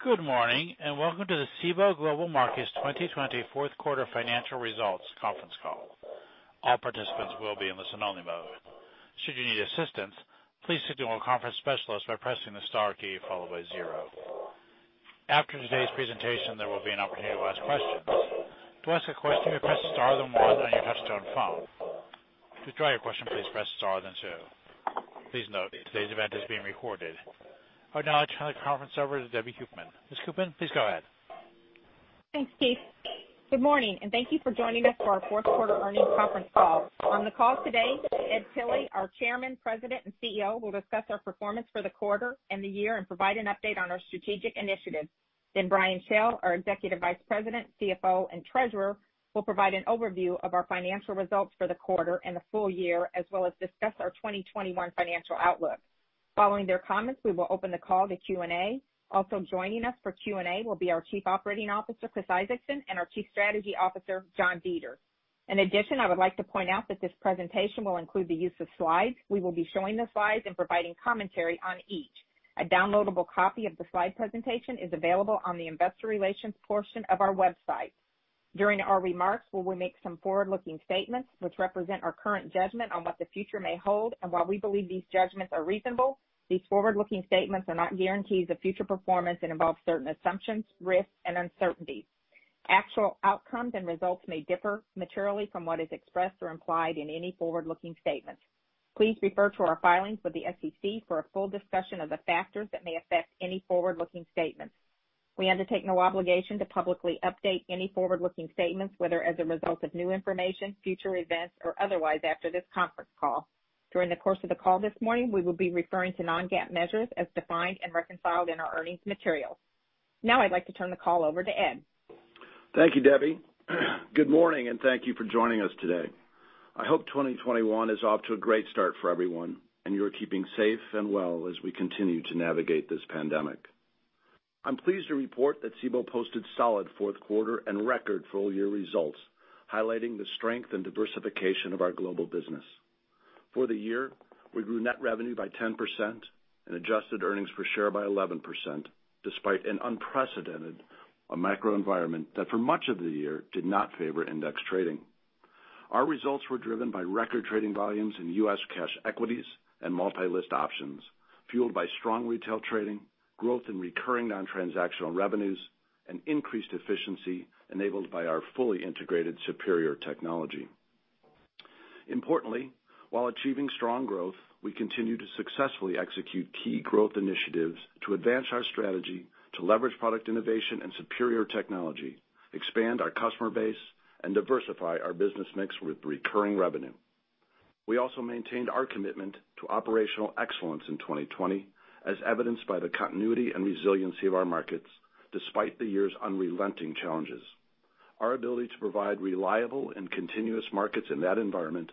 Good morning, welcome to the Cboe Global Markets 2020 Fourth Quarter Financial Results Conference Call. All participants will be in listen-only mode. Should you need assistance, please seek help from one of our conference specialists by pressing the star key followed by zero. After today's presentation, there will be an opportunity to ask questions. To ask a question, just press star, then one on your touchtone phone. To withdraw your question, please press star then two. Please note, today's event is being recorded. I would now like to turn the conference over to Debbie Koopman. Ms. Koopman, please go ahead. Thanks, Keith. Good morning, and thank you for joining us for our Fourth Quarter Earnings Conference Call. On the call today, Ed Tilly, our Chairman, President, and CEO, will discuss our performance for the quarter and the year and provide an update on our strategic initiatives. Brian Schell, our Executive Vice President, CFO, and Treasurer, will provide an overview of our financial results for the quarter and the full year, as well as discuss our 2021 financial outlook. Following their comments, we will open the call to Q&A. Also joining us for Q&A will be our Chief Operating Officer, Chris Isaacson, and our Chief Strategy Officer, John Deters. In addition, I would like to point out that this presentation will include the use of slides. We will be showing the slides and providing commentary on each. A downloadable copy of the slide presentation is available on the investor relations portion of our website. During our remarks, we will make some forward-looking statements which represent our current judgment on what the future may hold. While we believe these judgments are reasonable, these forward-looking statements are not guarantees of future performance and involve certain assumptions, risks, and uncertainties. Actual outcomes and results may differ materially from what is expressed or implied in any forward-looking statements. Please refer to our filings with the SEC for a full discussion of the factors that may affect any forward-looking statements. We undertake no obligation to publicly update any forward-looking statements, whether as a result of new information, future events, or otherwise after this conference call. During the course of the call this morning, we will be referring to non-GAAP measures as defined and reconciled in our earnings materials. Now I'd like to turn the call over to Ed. Thank you, Debbie. Good morning and thank you for joining us today. I hope 2021 is off to a great start for everyone, and you are keeping safe and well as we continue to navigate this pandemic. I'm pleased to report that Cboe posted solid fourth quarter and record full-year results, highlighting the strength and diversification of our global business. For the year, we grew net revenue by 10% and adjusted earnings per share by 11%, despite an unprecedented macro environment that for much of the year did not favor index trading. Our results were driven by record trading volumes in U.S. cash equities and multi-list options, fueled by strong retail trading, growth in recurring non-transactional revenues, and increased efficiency enabled by our fully integrated superior technology. Importantly, while achieving strong growth, we continue to successfully execute key growth initiatives to advance our strategy to leverage product innovation and superior technology, expand our customer base, and diversify our business mix with recurring revenue. We also maintained our commitment to operational excellence in 2020, as evidenced by the continuity and resiliency of our markets, despite the year's unrelenting challenges. Our ability to provide reliable and continuous markets in that environment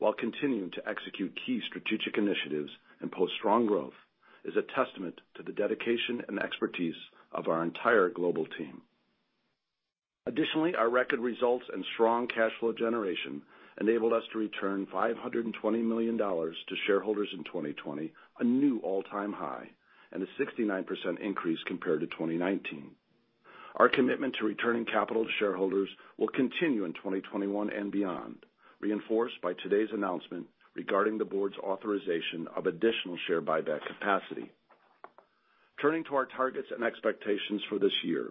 while continuing to execute key strategic initiatives and post strong growth is a testament to the dedication and expertise of our entire global team. Additionally, our record results and strong cash flow generation enabled us to return $520 million to shareholders in 2020, a new all-time high, and a 69% increase compared to 2019. Our commitment to returning capital to shareholders will continue in 2021 and beyond, reinforced by today's announcement regarding the board's authorization of additional share buyback capacity. Turning to our targets and expectations for this year,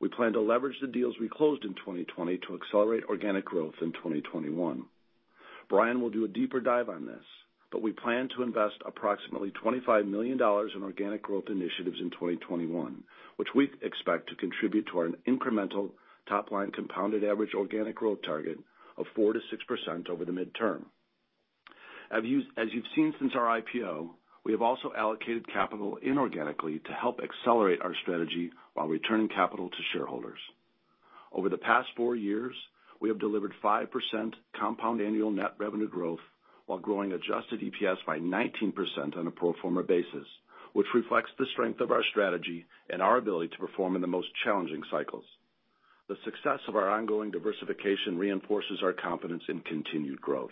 we plan to leverage the deals we closed in 2020 to accelerate organic growth in 2021. Brian will do a deeper dive on this, but we plan to invest approximately $25 million in organic growth initiatives in 2021, which we expect to contribute to an incremental top-line compounded average organic growth target of 4%-6% over the midterm. As you've seen since our IPO, we have also allocated capital inorganically to help accelerate our strategy while returning capital to shareholders. Over the past four years, we have delivered 5% compound annual net revenue growth while growing adjusted EPS by 19% on a pro forma basis, which reflects the strength of our strategy and our ability to perform in the most challenging cycles. The success of our ongoing diversification reinforces our confidence in continued growth.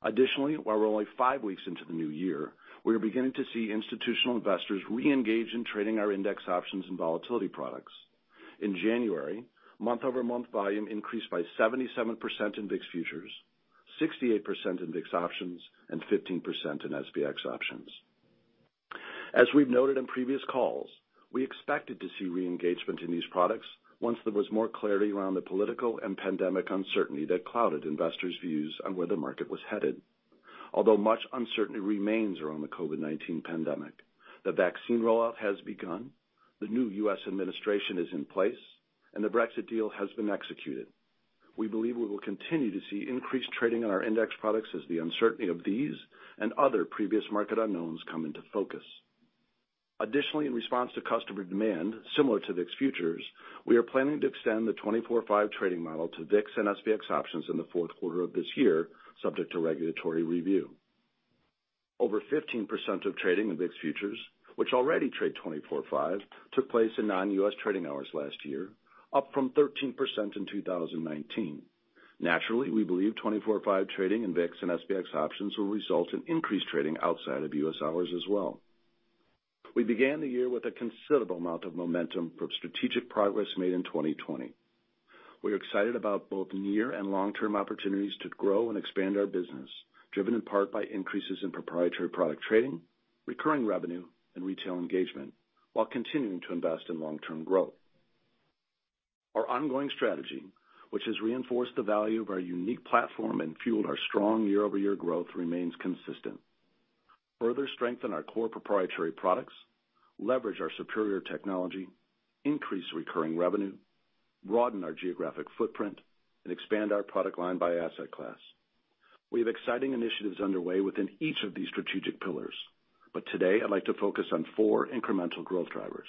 Additionally, while we're only five weeks into the new year, we are beginning to see institutional investors re-engage in trading our index options and volatility products. In January, month-over-month volume increased by 77% in VIX futures, 68% in VIX options, and 15% in SPX options. As we've noted in previous calls, we expected to see re-engagement in these products once there was more clarity around the political and pandemic uncertainty that clouded investors' views on where the market was headed. Although much uncertainty remains around the COVID-19 pandemic, the vaccine rollout has begun, the new U.S. administration is in place, and the Brexit deal has been executed. We believe we will continue to see increased trading on our index products as the uncertainty of these and other previous market unknowns come into focus. Additionally, in response to customer demand, similar to VIX futures, we are planning to extend the 24/5 trading model to VIX and SPX options in the fourth quarter of this year, subject to regulatory review. Over 15% of trading in VIX futures, which already trade 24/5, took place in non-U.S. trading hours last year, up from 13% in 2019. Naturally, we believe 24/5 trading in VIX and SPX options will result in increased trading outside of U.S. hours as well. We began the year with a considerable amount of momentum from strategic progress made in 2020. We're excited about both near and long-term opportunities to grow and expand our business, driven in part by increases in proprietary product trading, recurring revenue, and retail engagement, while continuing to invest in long-term growth. Our ongoing strategy, which has reinforced the value of our unique platform and fueled our strong year-over-year growth, remains consistent. Further strengthen our core proprietary products, leverage our superior technology, increase recurring revenue, broaden our geographic footprint, and expand our product line by asset class. We have exciting initiatives underway within each of these strategic pillars, but today I'd like to focus on four incremental growth drivers,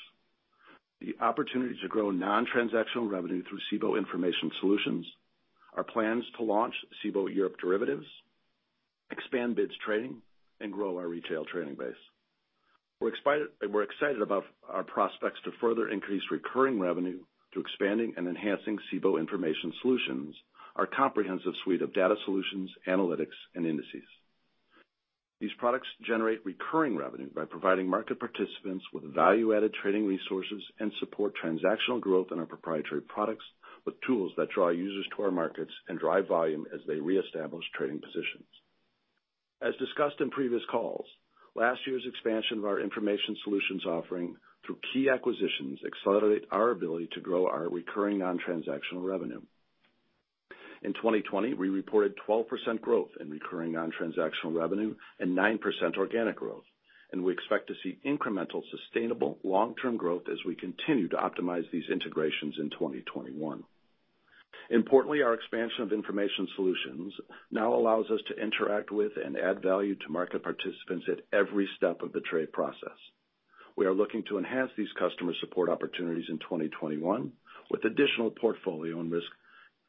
the opportunity to grow non-transactional revenue through Cboe Information Solutions, our plans to launch Cboe Europe Derivatives, expand BIDS Trading, and grow our retail trading base. We're excited about our prospects to further increase recurring revenue through expanding and enhancing Cboe Information Solutions, our comprehensive suite of data solutions, analytics, and indices. These products generate recurring revenue by providing market participants with value-added trading resources and support transactional growth in our proprietary products with tools that draw users to our markets and drive volume as they reestablish trading positions. As discussed in previous calls, last year's expansion of our Information Solutions offering through key acquisitions accelerate our ability to grow our recurring non-transactional revenue. In 2020, we reported 12% growth in recurring non-transactional revenue and 9% organic growth. We expect to see incremental, sustainable long-term growth as we continue to optimize these integrations in 2021. Importantly, our expansion of Information Solutions now allows us to interact with and add value to market participants at every step of the trade process. We are looking to enhance these customer support opportunities in 2021 with additional portfolio and risk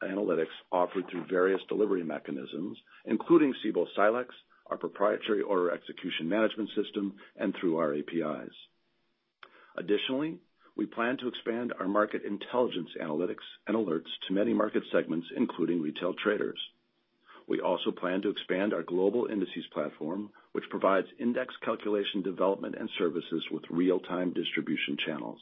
analytics offered through various delivery mechanisms, including Cboe Silexx, our proprietary order execution management system, and through our APIs. Additionally, we plan to expand our market intelligence analytics and alerts to many market segments, including retail traders. We also plan to expand our global indices platform, which provides index calculation development and services with real-time distribution channels.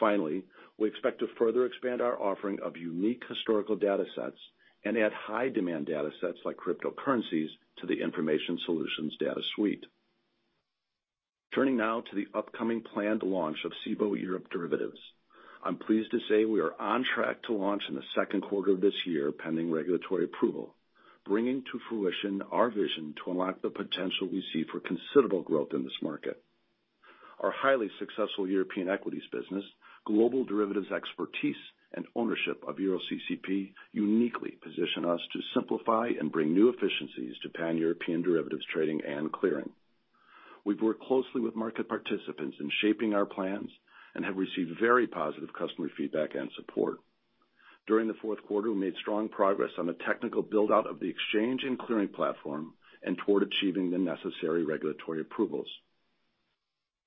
Finally, we expect to further expand our offering of unique historical data sets and add high-demand data sets like cryptocurrencies to the Information Solutions data suite. Turning now to the upcoming planned launch of Cboe Europe Derivatives. I am pleased to say we are on track to launch in the second quarter of this year, pending regulatory approval, bringing to fruition our vision to unlock the potential we see for considerable growth in this market. Our highly successful European equities business, global derivatives expertise, and ownership of EuroCCP uniquely position us to simplify and bring new efficiencies to pan-European derivatives trading and clearing. We've worked closely with market participants in shaping our plans and have received very positive customer feedback and support. During the fourth quarter, we made strong progress on the technical build-out of the exchange and clearing platform and toward achieving the necessary regulatory approvals.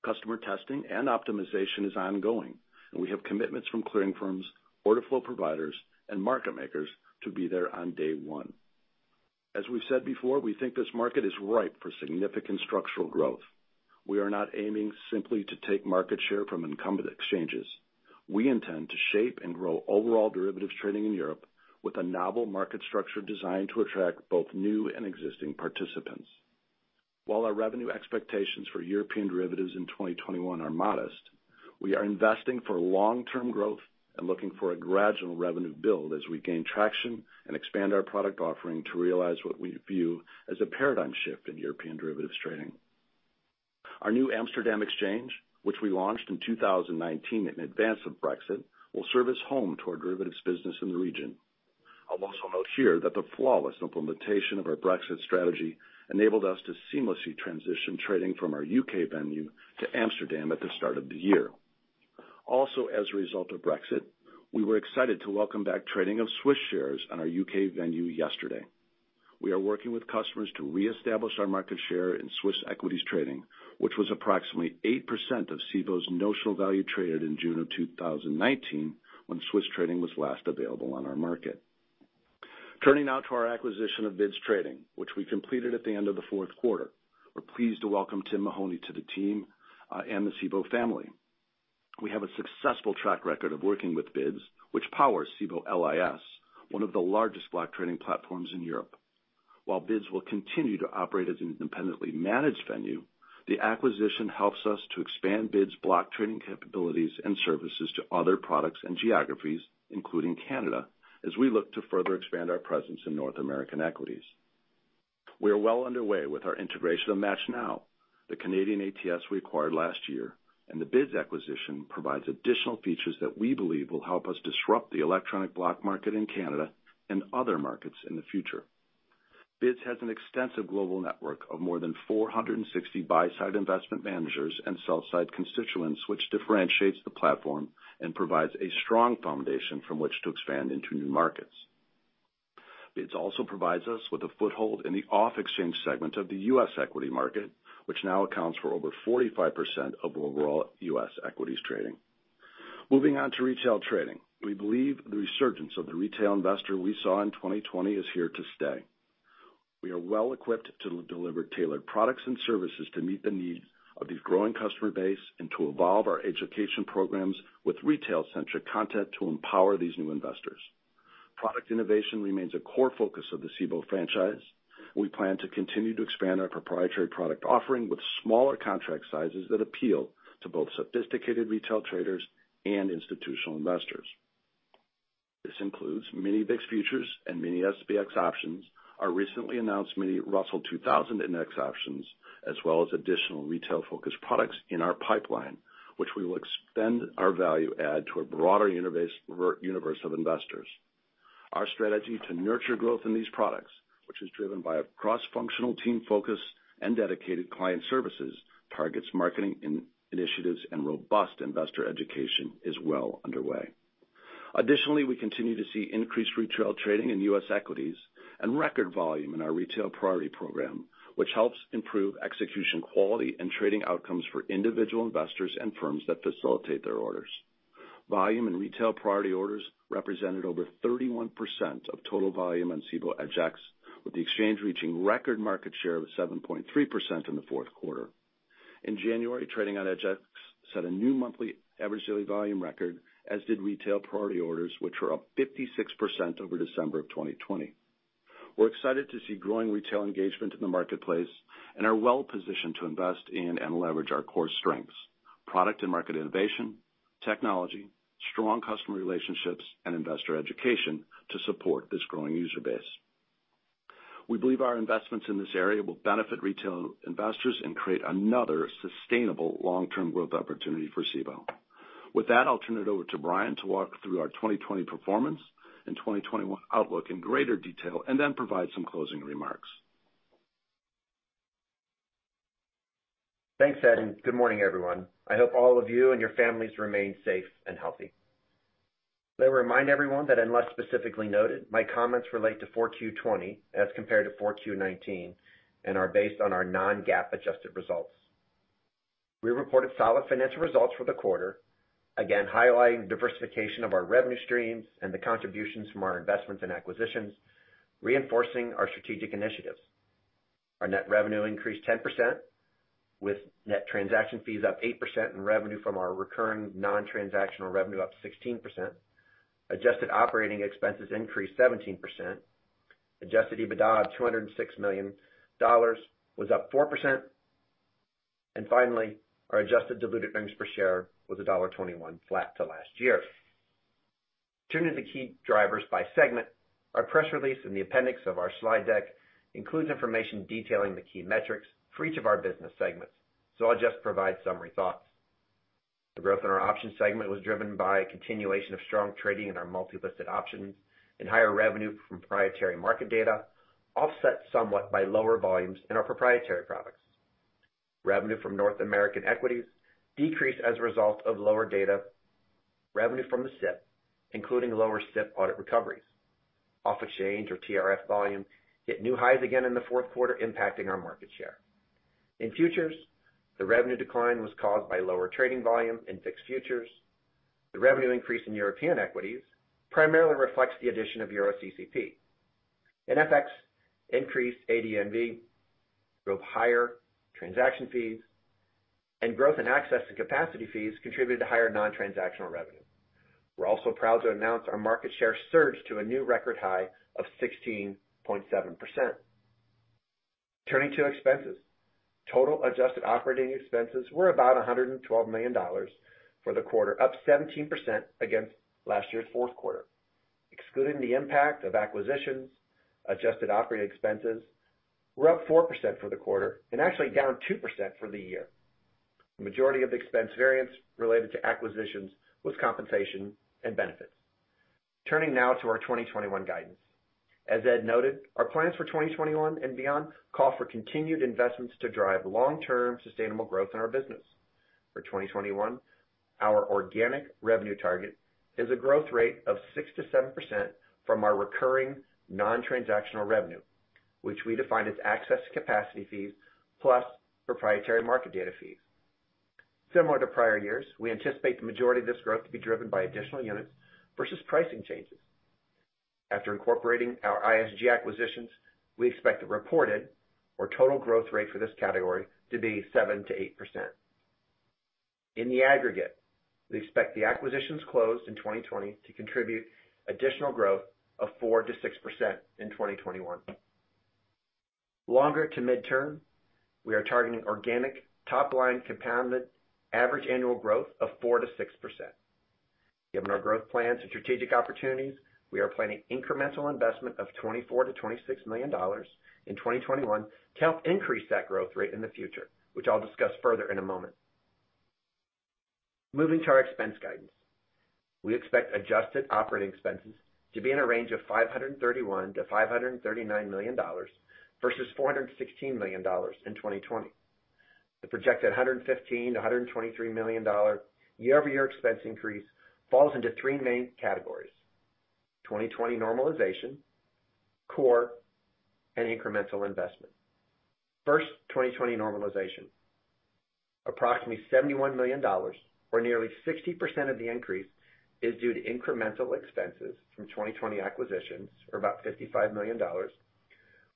Customer testing and optimization is ongoing, and we have commitments from clearing firms, order flow providers, and market makers to be there on day one. As we've said before, we think this market is ripe for significant structural growth. We are not aiming simply to take market share from incumbent exchanges. We intend to shape and grow overall derivatives trading in Europe with a novel market structure designed to attract both new and existing participants. While our revenue expectations for European derivatives in 2021 are modest, we are investing for long-term growth and looking for a gradual revenue build as we gain traction and expand our product offering to realize what we view as a paradigm shift in European derivatives trading. Our new Amsterdam exchange, which we launched in 2019 in advance of Brexit, will serve as home to our derivatives business in the region. I'll also note here that the flawless implementation of our Brexit strategy enabled us to seamlessly transition trading from our U.K. venue to Amsterdam at the start of the year. Also, as a result of Brexit, we were excited to welcome back trading of Swiss shares on our U.K. venue yesterday. We are working with customers to reestablish our market share in Swiss equities trading, which was approximately 8% of Cboe's notional value traded in June of 2019 when Swiss trading was last available on our market. Turning now to our acquisition of BIDS Trading, which we completed at the end of the fourth quarter. We're pleased to welcome Tim Mahoney to the team and the Cboe family. We have a successful track record of working with BIDS, which powers Cboe LIS, one of the largest block trading platforms in Europe. While BIDS will continue to operate as an independently managed venue, the acquisition helps us to expand BIDS' block trading capabilities and services to other products and geographies, including Canada, as we look to further expand our presence in North American equities. We are well underway with our integration of MATCHNow, the Canadian ATS we acquired last year, and the BIDS acquisition provides additional features that we believe will help us disrupt the electronic block market in Canada and other markets in the future. BIDS has an extensive global network of more than 460 buy-side investment managers and sell-side constituents, which differentiates the platform and provides a strong foundation from which to expand into new markets. BIDS also provides us with a foothold in the off-exchange segment of the U.S. equity market, which now accounts for over 45% of overall U.S. equities trading. Moving on to retail trading. We believe the resurgence of the retail investor we saw in 2020 is here to stay. We are well-equipped to deliver tailored products and services to meet the needs of this growing customer base and to evolve our education programs with retail-centric content to empower these new investors. Product innovation remains a core focus of the Cboe franchise. We plan to continue to expand our proprietary product offering with smaller contract sizes that appeal to both sophisticated retail traders and institutional investors. This includes Mini VIX futures and Mini-SPX options, our recently announced Mini-Russell 2000 Index options, as well as additional retail-focused products in our pipeline, which we will extend our value add to a broader universe of investors. Our strategy to nurture growth in these products, which is driven by a cross-functional team focus and dedicated client services, targets marketing initiatives and robust investor education, is well underway. Additionally, we continue to see increased retail trading in U.S. equities and record volume in our Retail Priority program, which helps improve execution quality and trading outcomes for individual investors and firms that facilitate their orders. Volume and Retail Priority orders represented over 31% of total volume on Cboe EDGX, with the exchange reaching record market share of 7.3% in the fourth quarter. In January, trading on EDGX set a new monthly average daily volume record, as did Retail Priority orders, which were up 56% over December of 2020. We're excited to see growing retail engagement in the marketplace and are well-positioned to invest in and leverage our core strengths, product and market innovation, technology, strong customer relationships, and investor education to support this growing user base. We believe our investments in this area will benefit retail investors and create another sustainable long-term growth opportunity for Cboe. I'll turn it over to Brian to walk through our 2020 performance and 2021 outlook in greater detail and then provide some closing remarks. Thanks, Ed, and good morning, everyone. I hope all of you and your families remain safe and healthy. Let me remind everyone that unless specifically noted, my comments relate to 4Q 2020 as compared to 4Q 2019 and are based on our non-GAAP adjusted results. We reported solid financial results for the quarter, again highlighting diversification of our revenue streams and the contributions from our investments and acquisitions, reinforcing our strategic initiatives. Our net revenue increased 10%, with net transaction fees up 8% and revenue from our recurring non-transactional revenue up 16%. Adjusted operating expenses increased 17%. Adjusted EBITDA of $206 million was up 4%. Finally, our adjusted diluted earnings per share was $1.21, flat to last year. Turning to the key drivers by segment, our press release in the appendix of our slide deck includes information detailing the key metrics for each of our business segments. I'll just provide summary thoughts. The growth in our options segment was driven by a continuation of strong trading in our multi-listed options and higher revenue from proprietary market data, offset somewhat by lower volumes in our proprietary products. Revenue from North American equities decreased as a result of lower data revenue from the SIP, including lower SIP audit recoveries. Off-exchange or TRF volume hit new highs again in the fourth quarter, impacting our market share. In futures, the revenue decline was caused by lower trading volume and VIX futures. The revenue increase in European equities primarily reflects the addition of EuroCCP. In FX, increased ADNV drove higher transaction fees, and growth in access to capacity fees contributed to higher non-transactional revenue. We're also proud to announce our market share surged to a new record high of 16.7%. Turning to expenses. Total adjusted operating expenses were about $112 million for the quarter, up 17% against last year's fourth quarter. Excluding the impact of acquisitions, adjusted operating expenses were up 4% for the quarter and actually down 2% for the year. The majority of expense variance related to acquisitions was compensation and benefits. Turning now to our 2021 guidance. As Ed noted, our plans for 2021 and beyond call for continued investments to drive long-term sustainable growth in our business. For 2021, our organic revenue target is a growth rate of 6%-7% from our recurring non-transactional revenue, which we define as access to capacity fees plus proprietary market data fees. Similar to prior years, we anticipate the majority of this growth to be driven by additional units versus pricing changes. After incorporating our ISG acquisitions, we expect the reported or total growth rate for this category to be 7%-8%. In the aggregate, we expect the acquisitions closed in 2020 to contribute additional growth of 4%-6% in 2021. Longer to midterm, we are targeting organic top-line compounded average annual growth of 4%-6%. Given our growth plans and strategic opportunities, we are planning incremental investment of $24 million-$26 million in 2021 to help increase that growth rate in the future, which I'll discuss further in a moment. Moving to our expense guidance. We expect adjusted operating expenses to be in a range of $531 million-$539 million versus $416 million in 2020. The projected $115 million-$123 million year-over-year expense increase falls into three main categories: 2020 normalization, core, and incremental investment. First, 2020 normalization. Approximately $71 million, or nearly 60% of the increase, is due to incremental expenses from 2020 acquisitions, or about $55 million,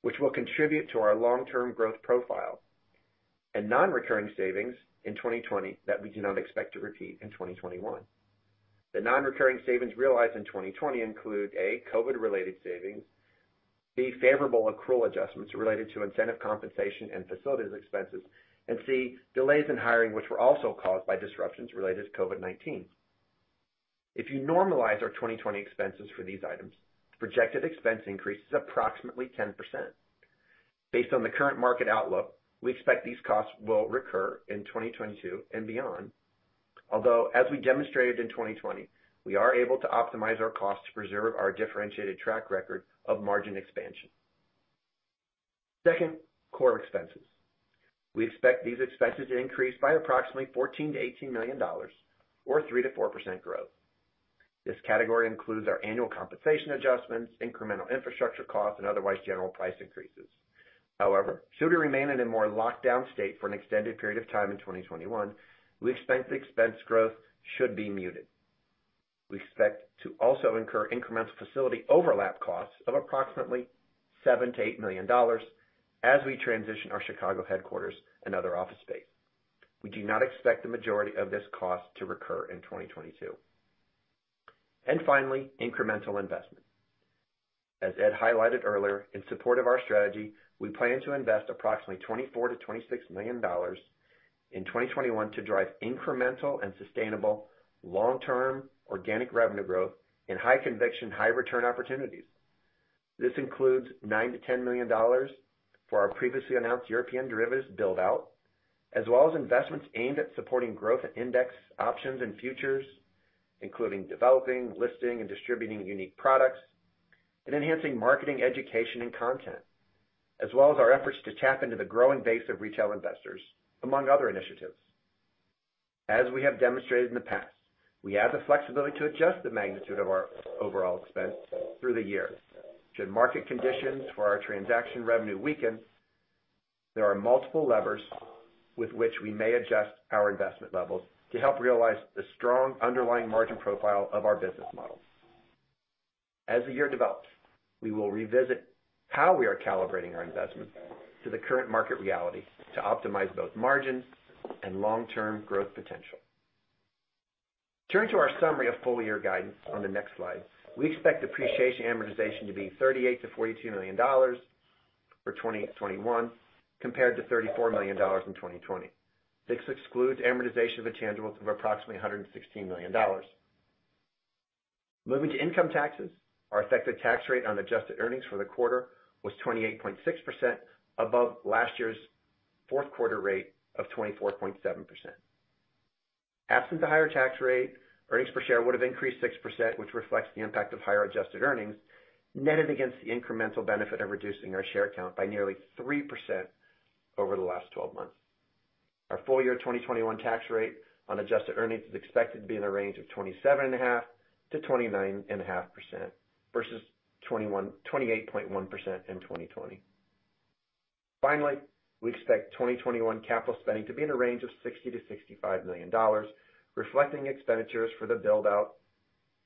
which will contribute to our long-term growth profile and non-recurring savings in 2020 that we do not expect to repeat in 2021. The non-recurring savings realized in 2020 include: A, COVID-related savings; B, favorable accrual adjustments related to incentive compensation and facilities expenses, and C, delays in hiring, which were also caused by disruptions related to COVID-19. If you normalize our 2020 expenses for these items, the projected expense increase is approximately 10%. Based on the current market outlook, we expect these costs will recur in 2022 and beyond, although as we demonstrated in 2020, we are able to optimize our costs to preserve our differentiated track record of margin expansion. Second, core expenses. We expect these expenses to increase by approximately $14 million-$18 million, or 3%-4% growth. This category includes our annual compensation adjustments, incremental infrastructure costs, and otherwise general price increases. However, should we remain in a more locked-down state for an extended period of time in 2021, we expect the expense growth should be muted. We expect to also incur incremental facility overlap costs of approximately $7 million-$8 million as we transition our Chicago headquarters and other office space. We do not expect the majority of this cost to recur in 2022. Finally, incremental investment. As Ed highlighted earlier, in support of our strategy, we plan to invest approximately $24 million-$26 million in 2021 to drive incremental and sustainable long-term organic revenue growth in high-conviction, high-return opportunities. This includes $9 million-$10 million for our previously announced European derivatives build-out, as well as investments aimed at supporting growth in index options and futures, including developing, listing, and distributing unique products and enhancing marketing, education, and content, as well as our efforts to tap into the growing base of retail investors, among other initiatives. As we have demonstrated in the past, we have the flexibility to adjust the magnitude of our overall expense throughout the year. Should market conditions for our transaction revenue weaken, there are multiple levers with which we may adjust our investment levels to help realize the strong underlying margin profile of our business model. As the year develops, we will revisit how we are calibrating our investment to the current market reality to optimize both margins and long-term growth potential. Turning to our summary of full-year guidance on the next slide. We expect depreciation amortization to be $38 million-$42 million for 2021, compared to $34 million in 2020. This excludes amortization of intangibles of approximately $116 million. Moving to income taxes, our effective tax rate on adjusted earnings for the quarter was 28.6%, above last year's fourth quarter rate of 24.7%. Absent the higher tax rate, earnings per share would have increased 6%, which reflects the impact of higher adjusted earnings netted against the incremental benefit of reducing our share count by nearly 3% over the last 12 months. Our full-year 2021 tax rate on adjusted earnings is expected to be in the range of 27.5%-29.5% versus 28.1% in 2020. Finally, we expect 2021 capital spending to be in a range of $60 million-$65 million, reflecting expenditures for the build-out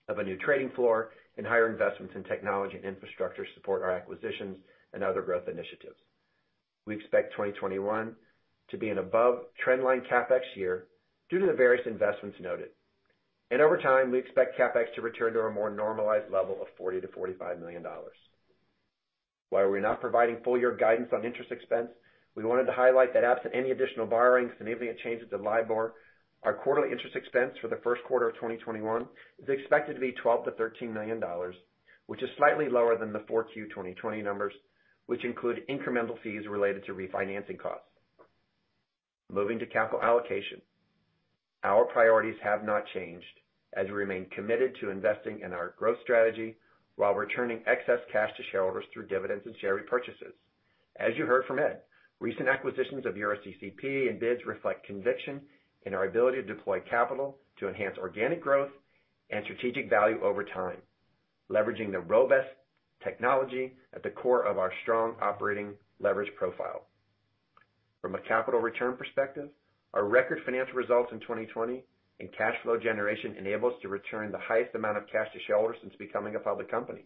of a new trading floor and higher investments in technology and infrastructure to support our acquisitions and other growth initiatives. We expect 2021 to be an above trendline CapEx year due to the various investments noted. Over time, we expect CapEx to return to a more normalized level of $40 million-$45 million. While we're not providing full year guidance on interest expense, we wanted to highlight that absent any additional borrowings and anything that changes the LIBOR, our quarterly interest expense for the first quarter of 2021 is expected to be $12 million-$13 million, which is slightly lower than the 4Q 2020 numbers, which include incremental fees related to refinancing costs. Moving to capital allocation. Our priorities have not changed as we remain committed to investing in our growth strategy while returning excess cash to shareholders through dividends and share repurchases. As you heard from Ed, recent acquisitions of EuroCCP and BIDS reflect conviction in our ability to deploy capital to enhance organic growth and strategic value over time, leveraging the robust technology at the core of our strong operating leverage profile. From a capital return perspective, our record financial results in 2020 and cash flow generation enable us to return the highest amount of cash to shareholders since becoming a public company.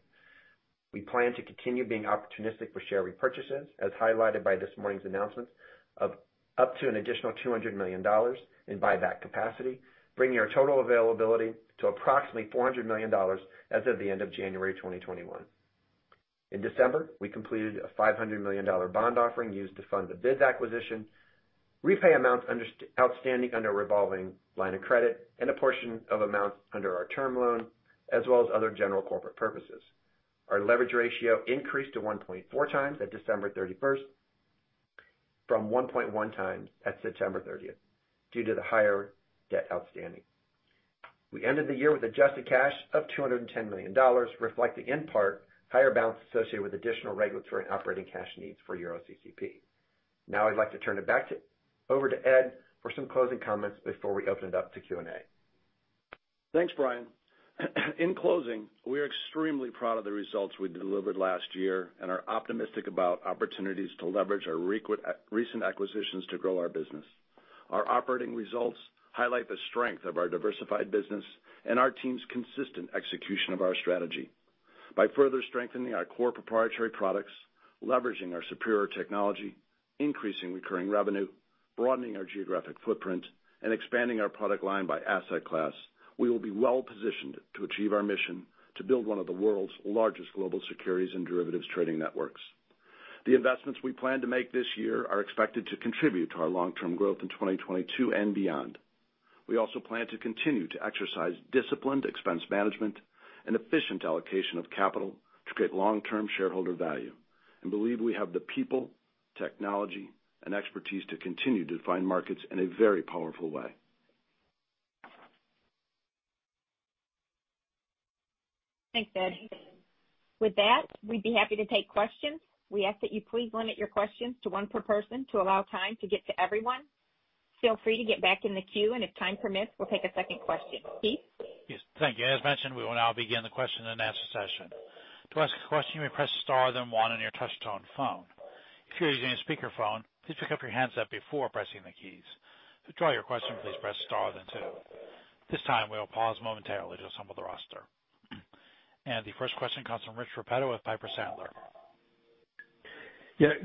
We plan to continue being opportunistic with share repurchases, as highlighted by this morning's announcement of up to an additional $200 million in buyback capacity, bringing our total availability to approximately $400 million as of the end of January 2021. In December, we completed a $500 million bond offering used to fund the BIDS acquisition, repay amounts outstanding under a revolving line of credit, and a portion of amounts under our term loan, as well as other general corporate purposes. Our leverage ratio increased to 1.4x at December 31st from 1.1x at September 30th due to the higher debt outstanding. We ended the year with adjusted cash of $210 million, reflecting in part higher balances associated with additional regulatory and operating cash needs for EuroCCP. Now I'd like to turn it back over to Ed for some closing comments before we open it up to Q&A. Thanks, Brian. In closing, we are extremely proud of the results we delivered last year and are optimistic about opportunities to leverage our recent acquisitions to grow our business. Our operating results highlight the strength of our diversified business and our team's consistent execution of our strategy. By further strengthening our core proprietary products, leveraging our superior technology, increasing recurring revenue, broadening our geographic footprint, and expanding our product line by asset class, we will be well-positioned to achieve our mission to build one of the world's largest global securities and derivatives trading networks. The investments we plan to make this year are expected to contribute to our long-term growth in 2022 and beyond. We also plan to continue to exercise disciplined expense management and efficient allocation of capital to create long-term shareholder value and believe we have the people, technology, and expertise to continue to define markets in a very powerful way. Thanks, Ed. With that, we'd be happy to take questions. We ask that you please limit your questions to one per person to allow time to get to everyone. Feel free to get back in the queue, and if time permits, we'll take a second question. Keith? Yes. Thank you. As mentioned, we will now begin the question and answer session. To ask a question, you may press star, then one on your touch-tone phone. If you're using a speakerphone, please pick up your handset before pressing the keys. To withdraw your question, please press star then two. At this time, we will pause momentarily to assemble the roster. The first question comes from Rich Repetto with Piper Sandler.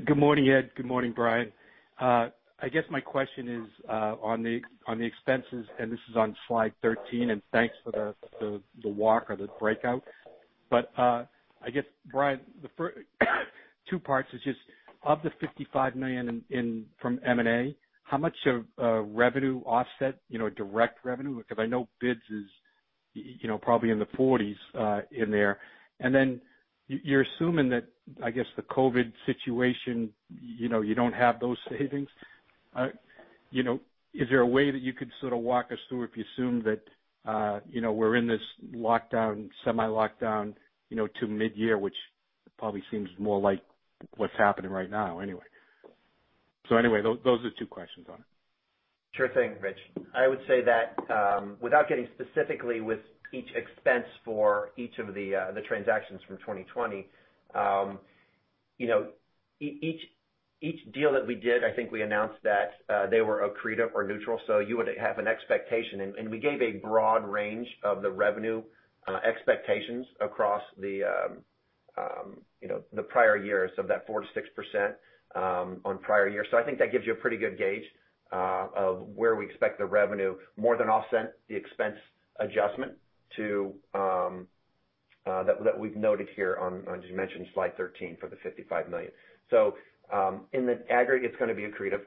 Good morning, Ed. Good morning, Brian. I guess my question is on the expenses. This is on slide 13. Thanks for the walk or the breakout. I guess, Brian, the two parts is just of the $55 million from M&A, how much of revenue offset, direct revenue? Because I know BIDS is probably in the 40s in there. You're assuming that, I guess the COVID situation, you don't have those savings. Is there a way that you could sort of walk us through if you assume that we're in this lockdown, semi-lockdown, to mid-year, which probably seems more like what's happening right now anyway. Anyway, those are the two questions on it. Sure thing, Rich. I would say that without getting specifically with each expense for each of the transactions from 2020. Each deal that we did, I think we announced that they were accretive or neutral, so you would have an expectation. And we gave a broad range of the revenue expectations across the prior years, about 4%-6% on prior years. I think that gives you a pretty good gauge of where we expect the revenue to more than offset the expense adjustment that we've noted here on, as you mentioned, slide 13 for the $55 million. In the aggregate, it's going to be accretive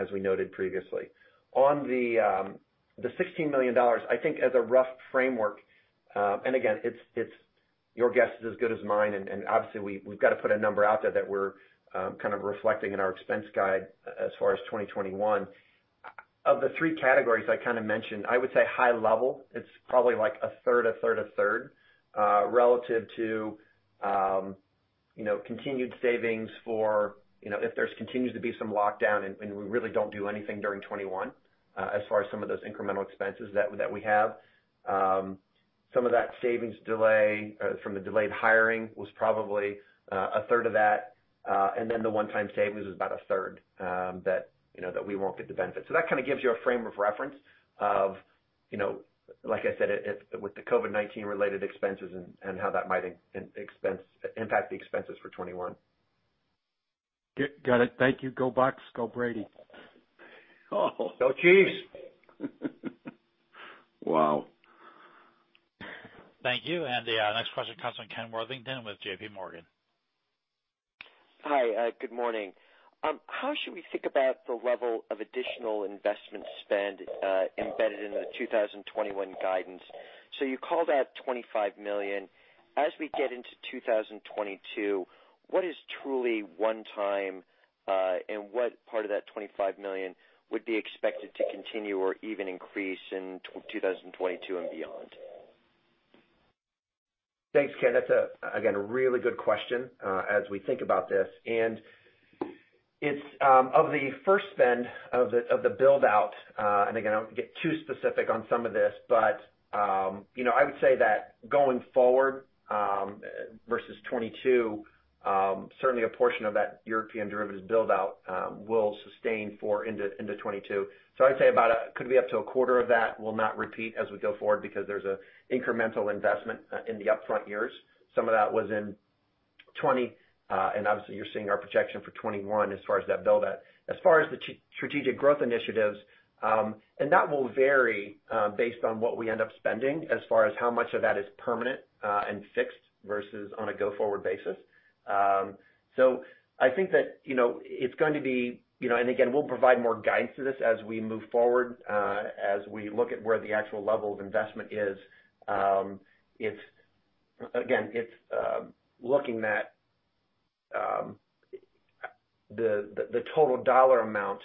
as we noted previously. On the $16 million, I think as a rough framework, again, your guess is as good as mine. Obviously, we've got to put a number out there that we're kind of reflecting in our expense guide as far as 2021. Of the three categories I kind of mentioned, I would say high level, it's probably like a third, a third, a third relative to continued savings, if there continues to be some lockdown and we really don't do anything during 2021 as far as some of those incremental expenses that we have. Some of that savings delay from the delayed hiring was probably a third of that. Then the one-time savings was about a third that we won't get the benefit. That kind of gives you a frame of reference of, like I said, with the COVID-19 related expenses and how that might impact the expenses for 2021. Got it. Thank you. Go Bucs. Go Brady. Go Chiefs. Wow. Thank you. The next question comes from Ken Worthington with JPMorgan. Hi. Good morning. How should we think about the level of additional investment spend embedded in the 2021 guidance? You called out $25 million. As we get into 2022, what is truly one time? What part of that $25 million would be expected to continue or even increase in 2022 and beyond? Thanks, Ken. That's, again, a really good question as we think about this. Of the first spend of the build-out, again, I won't get too specific on some of this. I would say that going forward versus 2022, certainly a portion of that European Derivatives build-out will sustain into 2022. I'd say about could be up to a quarter of that will not repeat as we go forward because there's an incremental investment in the upfront years. Some of that was in 2020. Obviously, you're seeing our projection for 2021 as far as that build-out. As far as the strategic growth initiatives, that will vary based on what we end up spending as far as how much of that is permanent and fixed versus on a go-forward basis. I think that it's going to be. Again, we'll provide more guidance to this as we move forward, as we look at where the actual level of investment is. It's looking that the total dollar amount,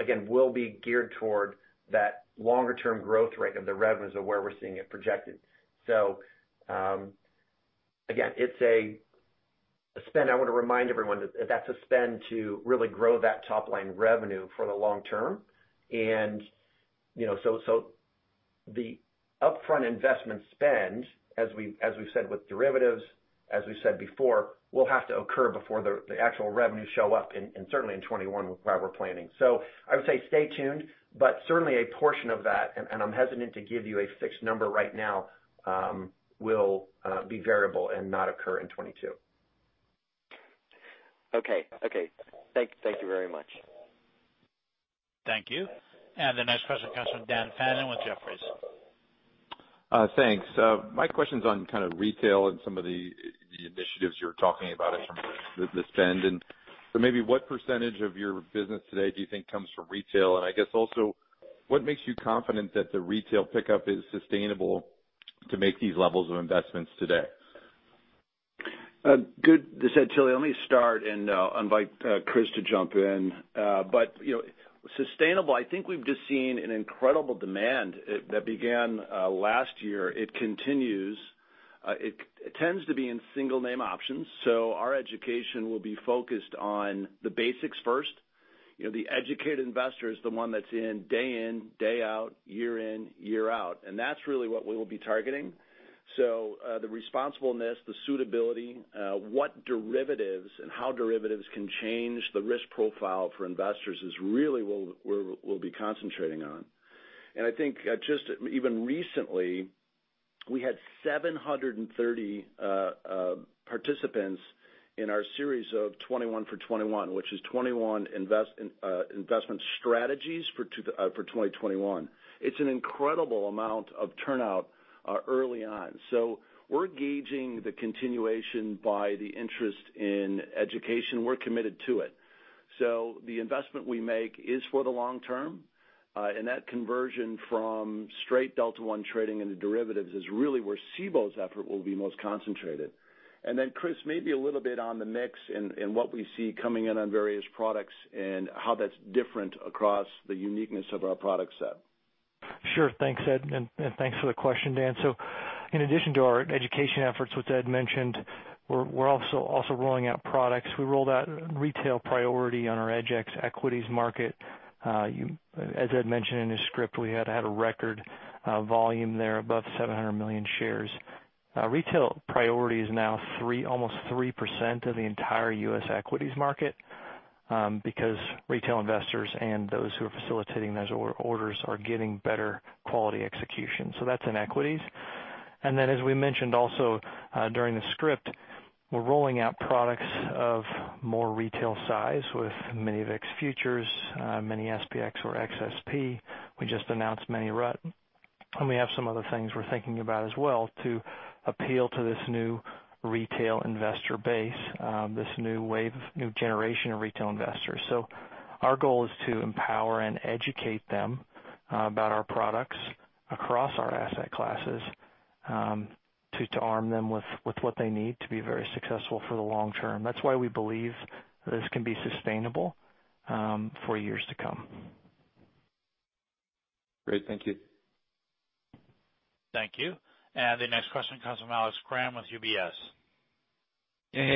again, will be geared toward that longer-term growth rate of the revenues of where we're seeing it projected. Spend, I want to remind everyone that's a spend to really grow that top-line revenue for the long term. The upfront investment spend, as we've said with derivatives, as we've said before, will have to occur before the actual revenues show up, and certainly in 2021 while we're planning. I would say stay tuned, but certainly a portion of that, and I'm hesitant to give you a fixed number right now, will be variable and not occur in 2022. Okay. Thank you very much. Thank you. The next question comes from Dan Fannon with Jefferies. Thanks. My question's on kind of retail and some of the initiatives you're talking about in terms of the spend. Maybe what percentage of your business today do you think comes from retail, and I guess also, what makes you confident that the retail pickup is sustainable to make these levels of investments today? Good. This is Ed Tilly. Let me start and invite Chris to jump in. Sustainable, I think we've just seen an incredible demand that began last year. It continues. It tends to be in single-name options. Our education will be focused on the basics first. The educated investor is the one that's in day in, day out, year in, year out, and that's really what we will be targeting. The responsible-ness, the suitability, what derivatives are, and how derivatives can change the risk profile for investors is really what we'll be concentrating on. I think just even recently, we had 730 participants in our series of 21 for '21, which is 21 investment strategies for 2021. It's an incredible amount of turnout early on. We're gauging the continuation by the interest in education. We're committed to it. The investment we make is for the long term. That conversion from straight Delta One trading into derivatives is really where Cboe's effort will be most concentrated. Then Chris, maybe a little bit on the mix and what we see coming in on various products and how that's different across the uniqueness of our product set. Sure. Thanks, Ed, and thanks for the question, Dan. In addition to our education efforts, which Ed mentioned, we're also rolling out products. We rolled out Retail Priority on our EDGX equities market. As Ed mentioned in his script, we had a record volume there above 700 million shares. Retail Priority is now almost 3% of the entire U.S. equities market, because retail investors and those who are facilitating those orders are getting better quality execution. As we mentioned also during the script, we're rolling out products of more retail size with Mini VIX futures, Mini-SPX or XSP. We just announced Mini RUT, and we have some other things we're thinking about as well to appeal to this new retail investor base, this new wave of new generation of retail investors. Our goal is to empower and educate them about our products across our asset classes, to arm them with what they need to be very successful for the long term. That's why we believe this can be sustainable for years to come. Great. Thank you. Thank you. The next question comes from Alex Kramm with UBS.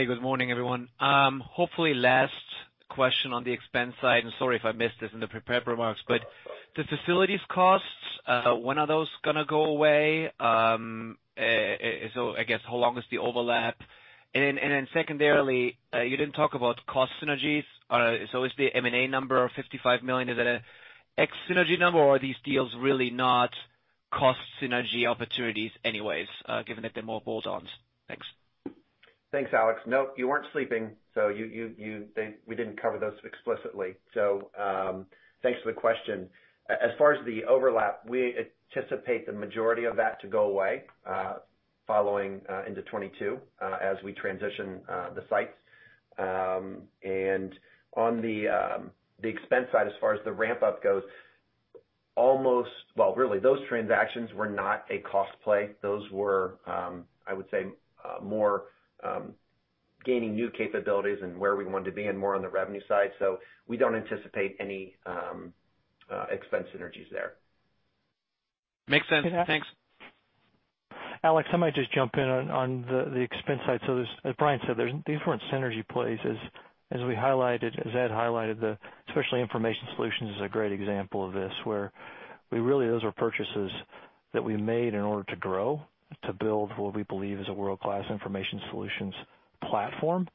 Good morning, everyone. Hopefully, last question on the expense side. Sorry if I missed this in the prepared remarks, but the facilities costs, when are those going to go away? I guess how long is the overlap? Secondarily, you didn't talk about cost synergies. Is the M&A number of $55 million, is that an ex-synergy number, or are these deals really not cost synergy opportunities anyways, given that they're more bolt-ons? Thanks. Thanks, Alex. No, you weren't sleeping. We didn't cover those explicitly. Thanks for the question. As far as the overlap, we anticipate the majority of that to go away following into 2022 as we transition the sites. On the expense side, as far as the ramp-up goes, really, those transactions were not a cost play. Those were, I would say, more gaining new capabilities and where we wanted to be and more on the revenue side. We don't anticipate any expense synergies there. Makes sense. Thanks. Alex, I might just jump in on the expense side. As Brian said, the different synergy plays, as Ed highlighted, especially Information Solutions is a great example of this, where really those were purchases that we made in order to grow, to build what we believe is a world-class Information Solutions platform.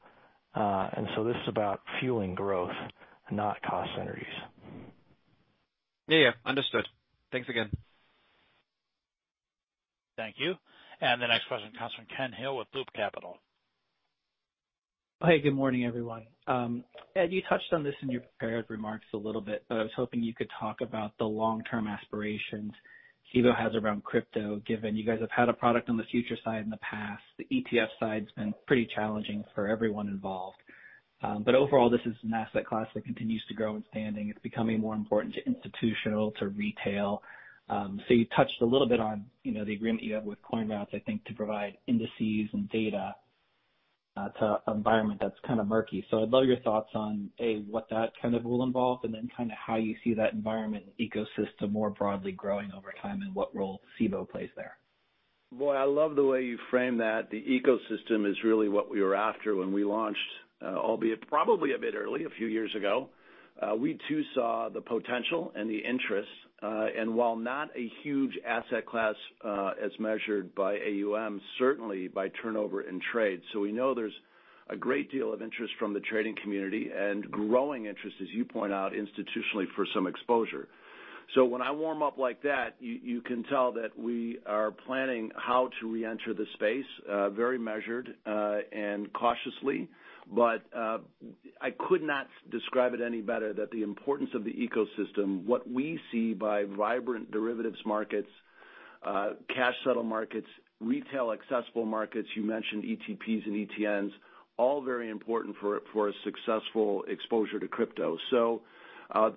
This is about fueling growth, not cost synergies. Yeah. Understood. Thanks again. Thank you. The next question comes from Ken Hill with Loop Capital. Hey, good morning, everyone. Ed, you touched on this in your prepared remarks a little bit, but I was hoping you could talk about the long-term aspirations Cboe has around crypto, given you guys have had a product on the futures side in the past. The ETF side's been pretty challenging for everyone involved. Overall, this is an asset class that continues to grow in standing. It's becoming more important to institutional, to retail. You touched a little bit on the agreement you have with CoinRoutes, I think, to provide indices and data to an environment that's kind of murky. I'd love your thoughts on, A, what that kind of will involve, and then kind of how you see that environment ecosystem more broadly growing over time and what role Cboe plays there. Boy, I love the way you frame that. The ecosystem is really what we were after when we launched, albeit probably a bit early a few years ago. While not a huge asset class as measured by AUM, certainly by turnover in trade. We know there's a great deal of interest from the trading community and growing interest, as you point out, institutionally for some exposure. When I warm up like that, you can tell that we are planning how to reenter the space, very measured and cautiously. I could not describe it any better that the importance of the ecosystem, what we see by vibrant derivatives markets, cash settle markets, retail accessible markets, you mentioned ETPs and ETNs, all very important for a successful exposure to crypto.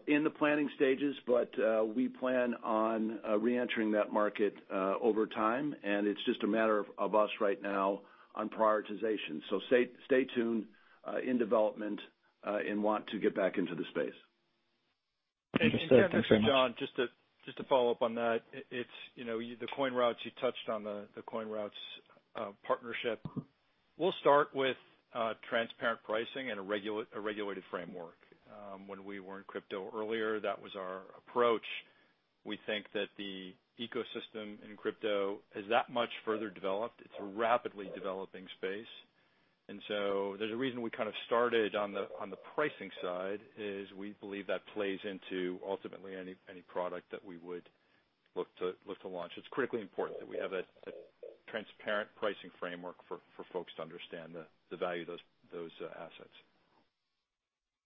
In the planning stages, but we plan on reentering that market over time, and it's just a matter of us right now on prioritization. Stay tuned, in development, and want to get back into the space. Interesting. Thanks very much. Again, this is John, just to follow up on that. You touched on the CoinRoutes partnership. We'll start with transparent pricing and a regulated framework. When we were in crypto earlier, that was our approach. We think that the ecosystem in crypto is that much further developed. It's a rapidly developing space. There's a reason we kind of started on the pricing side is we believe that plays into ultimately any product that we would look to launch. It's critically important that we have a transparent pricing framework for folks to understand the value of those assets.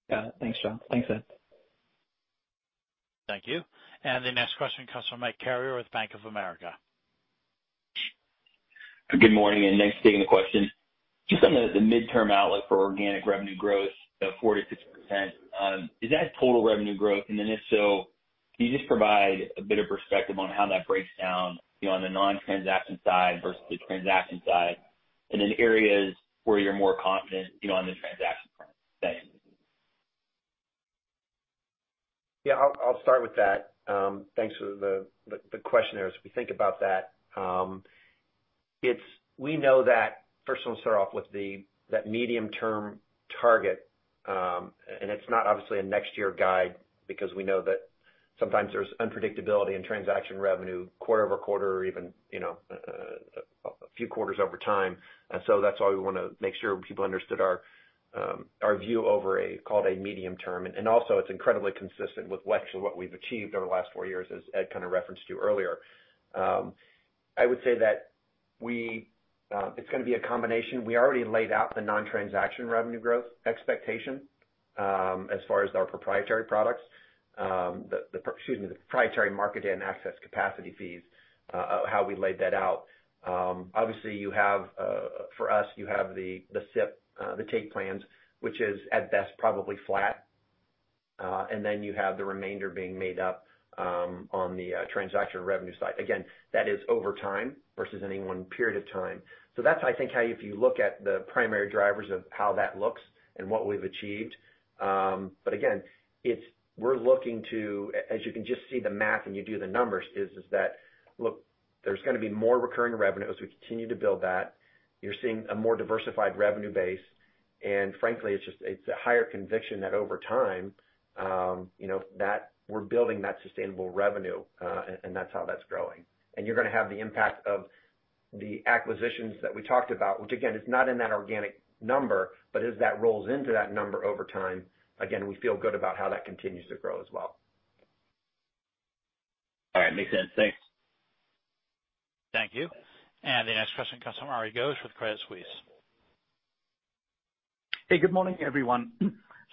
Got it. Thanks, John. Thanks, Ed. Thank you. The next question comes from Mike Carrier with Bank of America. Good morning, and thanks for taking the question. Just on the midterm outlook for organic revenue growth of 4%-6%, is that total revenue growth? If so, can you just provide a bit of perspective on how that breaks down on the non-transaction side versus the transaction side? Areas where you're more confident on the transaction front? Thanks. Yeah, I'll start with that. Thanks for the question there, as we think about that. First, I'll start off with that medium-term target, it's not obviously a next year guide because we know that sometimes there's unpredictability in transaction revenue quarter-over-quarter or even a few quarters over time. So that's why we want to make sure people understood our view over a, call it, a medium-term. Also it's incredibly consistent with actually what we've achieved over the last four years, as Ed kind of referenced to earlier. I would say that it's going to be a combination. We already laid out the non-transaction revenue growth expectation as far as our proprietary products. Excuse me, the proprietary market and access capacity fees, how we laid that out. Obviously, for us, you have the SIP, the tape plans, which is at best probably flat. Then you have the remainder being made up on the transaction revenue side. Again, that is over time versus any one period of time. That's, I think, how if you look at the primary drivers of how that looks and what we've achieved. Again, we're looking to, as you can just see the math and you do the numbers, is that, look, there's going to be more recurring revenue as we continue to build that. You're seeing a more diversified revenue base. Frankly, it's a higher conviction that over time that we're building that sustainable revenue, and that's how that's growing. You're going to have the impact of the acquisitions that we talked about, which again, is not in that organic number, but as that rolls into that number over time, again, we feel good about how that continues to grow as well. All right. Makes sense. Thanks. Thank you. The next question comes from Ari Ghosh with Credit Suisse. Hey good morning everyone.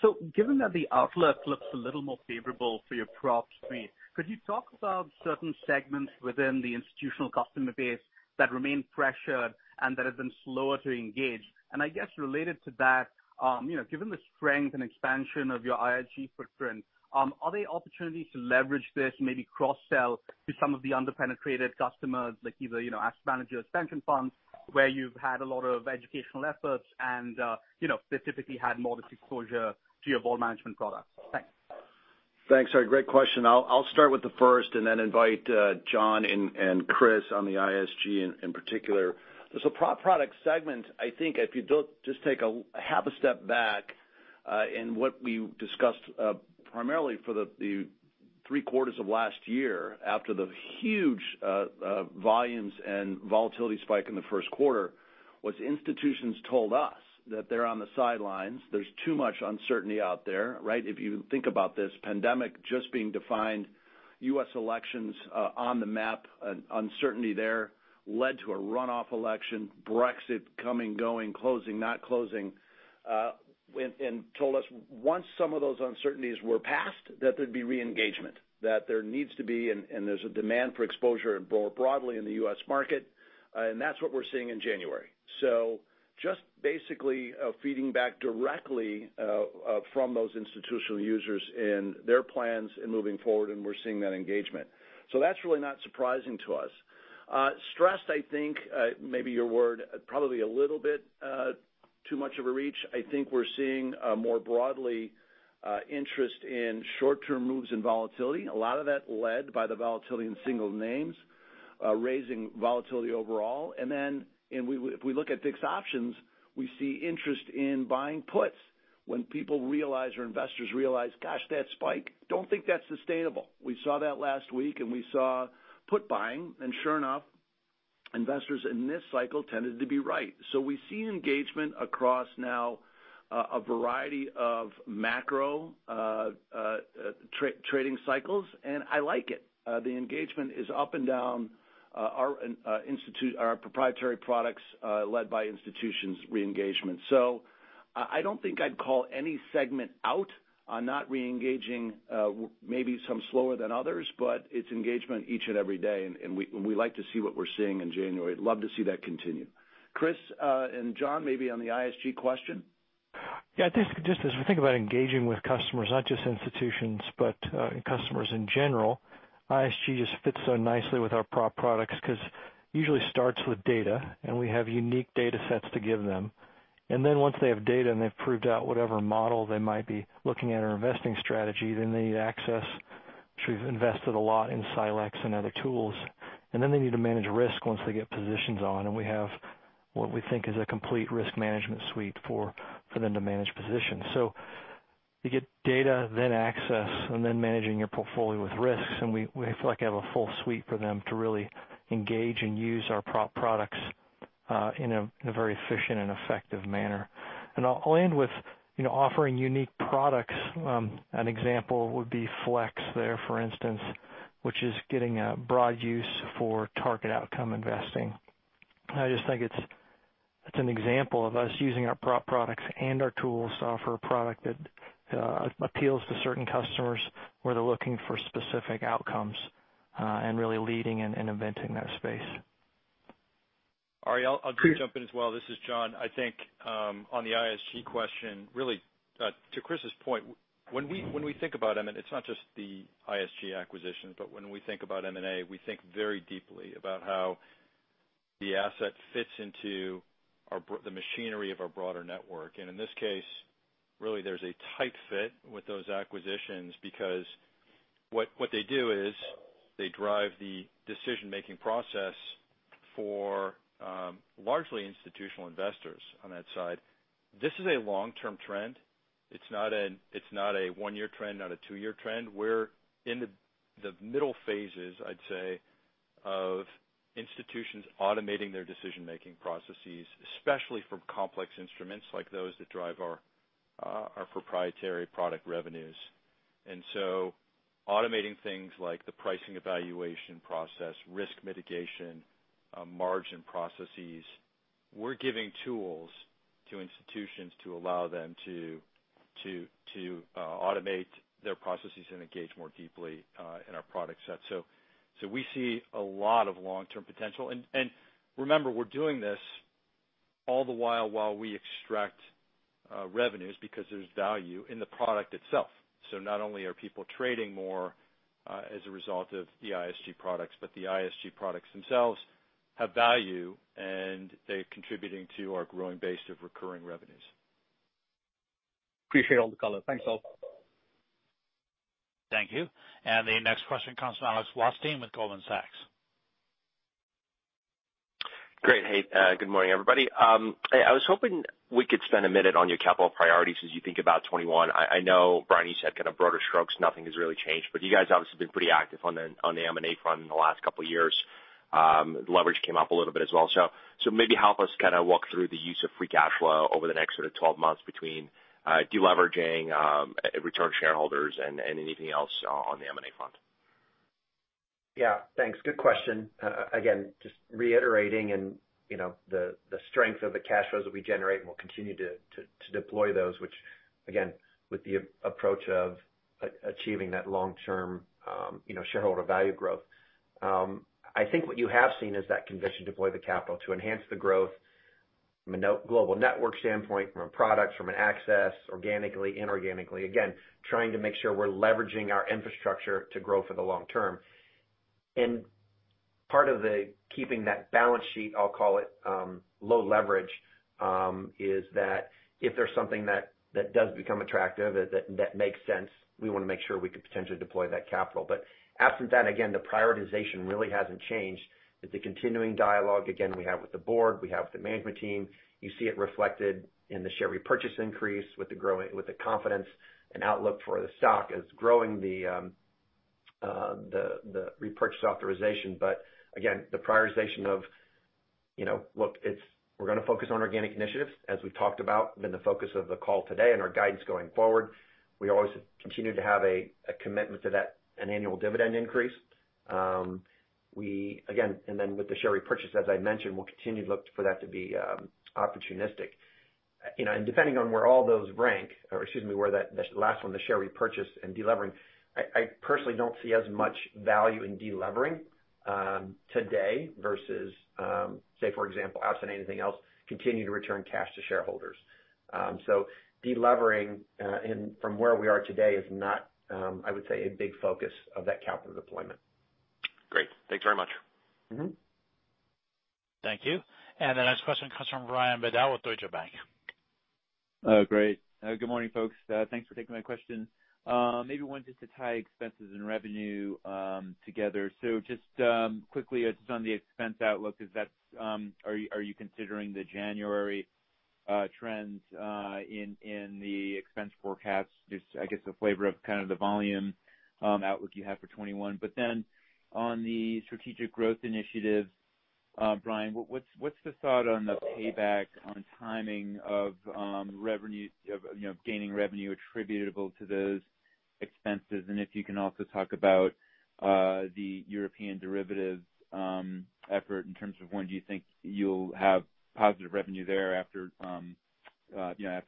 So given that the outlook looks a little more favorable to your proprietary market data, could you talk about certain segments within the institutional proximity that remained pressured and that had been slower to engage? And I guess related to that, given the strength and expansion of your ISG footprint, are there opportunities to leverage this? Maybe cross-sell to some of the underpenetrated customers, like you know, ask manager extension funds where you've had a lot of educational efforts. Thanks, Ari. Great question. I'll start with the first and then invite John and Chris on the ISG in particular. The prop product segment, I think if you just take a half a step back in what we discussed primarily for the three quarters of last year after the huge volumes and volatility spike in the first quarter, was institutions told us that they're on the sidelines. There's too much uncertainty out there, right? If you think about this pandemic just being defined, U.S. elections on the map, uncertainty there led to a runoff election, Brexit coming, going, closing, not closing, told us once some of those uncertainties were passed, that there'd be re-engagement, that there needs to be, and there's a demand for exposure more broadly in the U.S. market. That's what we're seeing in January. Just basically feeding back directly from those institutional users in their plans in moving forward, and we're seeing that engagement. That's really not surprising to us. Stressed, I think, may be your word, probably a little bit. Too much of a reach. I think we're seeing more broadly interest in short-term moves in volatility. A lot of that led by the volatility in single names, raising volatility overall. If we look at VIX options, we see interest in buying puts when people realize, or investors realize, gosh, that spike, don't think that's sustainable. We saw that last week, we saw put buying, and sure enough, investors in this cycle tended to be right. We see engagement across now a variety of macro trading cycles, and I like it. The engagement is up and down, our proprietary products led by institutions re-engagement. I don't think I'd call any segment out on not re-engaging, maybe some slower than others, but it's engagement each and every day, and we like to see what we're seeing in January. Love to see that continue. Chris, and John, maybe on the ISG question. I think, just as we think about engaging with customers, not just institutions, but customers in general, ISG just fits so nicely with our prop products because usually starts with data. We have unique data sets to give them. Then once they have data and they've proved out whatever model they might be looking at or investing strategy, then they need access, which we've invested a lot in Silexx and other tools. Then they need to manage risk once they get positions on. We have what we think is a complete risk management suite for them to manage positions. You get data, then access, and then managing your portfolio with risks. We feel like we have a full suite for them to really engage and use our prop products in a very efficient and effective manner. I'll end with offering unique products. An example would be FLEX there, for instance, which is getting broad use for target outcome investing. I just think it's an example of us using our prop products and our tools to offer a product that appeals to certain customers where they're looking for specific outcomes, and really leading and inventing that space. Ari, I'll just jump in as well. This is John. I think, on the ISG question, really, to Chris's point, when we think about M&A, it's not just the ISG acquisition, but when we think about M&A, we think very deeply about how the asset fits into the machinery of our broader network. In this case, really, there's a tight fit with those acquisitions because what they do is they drive the decision-making process for largely institutional investors on that side. This is a long-term trend. It's not a one-year trend, not a two-year trend. We're in the middle phases, I'd say, of institutions automating their decision-making processes, especially for complex instruments like those that drive our proprietary product revenues, automating things like the pricing evaluation process, risk mitigation, margin processes. We're giving tools to institutions to allow them to automate their processes and engage more deeply in our product set. We see a lot of long-term potential. Remember, we're doing this all the while we extract revenues because there's value in the product itself. Not only are people trading more, as a result of the ISG products, but the ISG products themselves have value, and they're contributing to our growing base of recurring revenues. Appreciate all the color. Thanks all. Thank you. The next question comes from Alex Blostein with Goldman Sachs. Great. Hey, good morning, everybody. I was hoping we could spend a minute on your capital priorities as you think about 2021. I know, Brian said kind of broader strokes, nothing has really changed. You guys obviously have been pretty active on the M&A front in the last couple of years. Leverage came up a little bit as well. Maybe help us kind of walk through the use of free cash flow over the next sort of 12 months between de-leveraging, return to shareholders and anything else on the M&A front. Yeah. Thanks. Good question. Again, just reiterating and the strength of the cash flows that we generate, and we'll continue to deploy those, which again, with the approach of achieving that long-term shareholder value growth. I think what you have seen is that conviction to deploy the capital to enhance the growth from a global network standpoint, from a product, from an access, organically, inorganically. Again, trying to make sure we're leveraging our infrastructure to grow for the long term. Part of keeping that balance sheet, I'll call it, low leverage, is that if there's something that does become attractive, that makes sense, we want to make sure we could potentially deploy that capital. Absent that, again, the prioritization really hasn't changed. It's a continuing dialogue, again, we have with the board, we have with the management team. You see it reflected in the share repurchase increase with the confidence and outlook for the stock is growing the repurchase authorization. The prioritization of, look, we're going to focus on organic initiatives, as we've talked about, been the focus of the call today and our guidance going forward. We always continue to have a commitment to that, an annual dividend increase. With the share repurchase, as I mentioned, we'll continue to look for that to be opportunistic. Depending on where all those rank, or excuse me, where that last one, the share repurchase and de-levering, I personally don't see as much value in de-levering today versus, say, for example, absent anything else, continue to return cash to shareholders. De-levering, from where we are today is not, I would say, a big focus of that capital deployment. Great. Thanks very much. Thank you. The next question comes from Brian Bedell with Deutsche Bank. Great. Good morning, folks. Thanks for taking my question. Maybe one just to tie expenses and revenue together. Just quickly, just on the expense outlook, are you considering the January trends in the expense forecasts? Just, I guess, a flavor of kind of the volume outlook you have for 2021. On the strategic growth initiative, Brian, what's the thought on the payback on timing of gaining revenue attributable to those expenses? If you can also talk about the European derivatives effort in terms of when do you think you'll have positive revenue there, after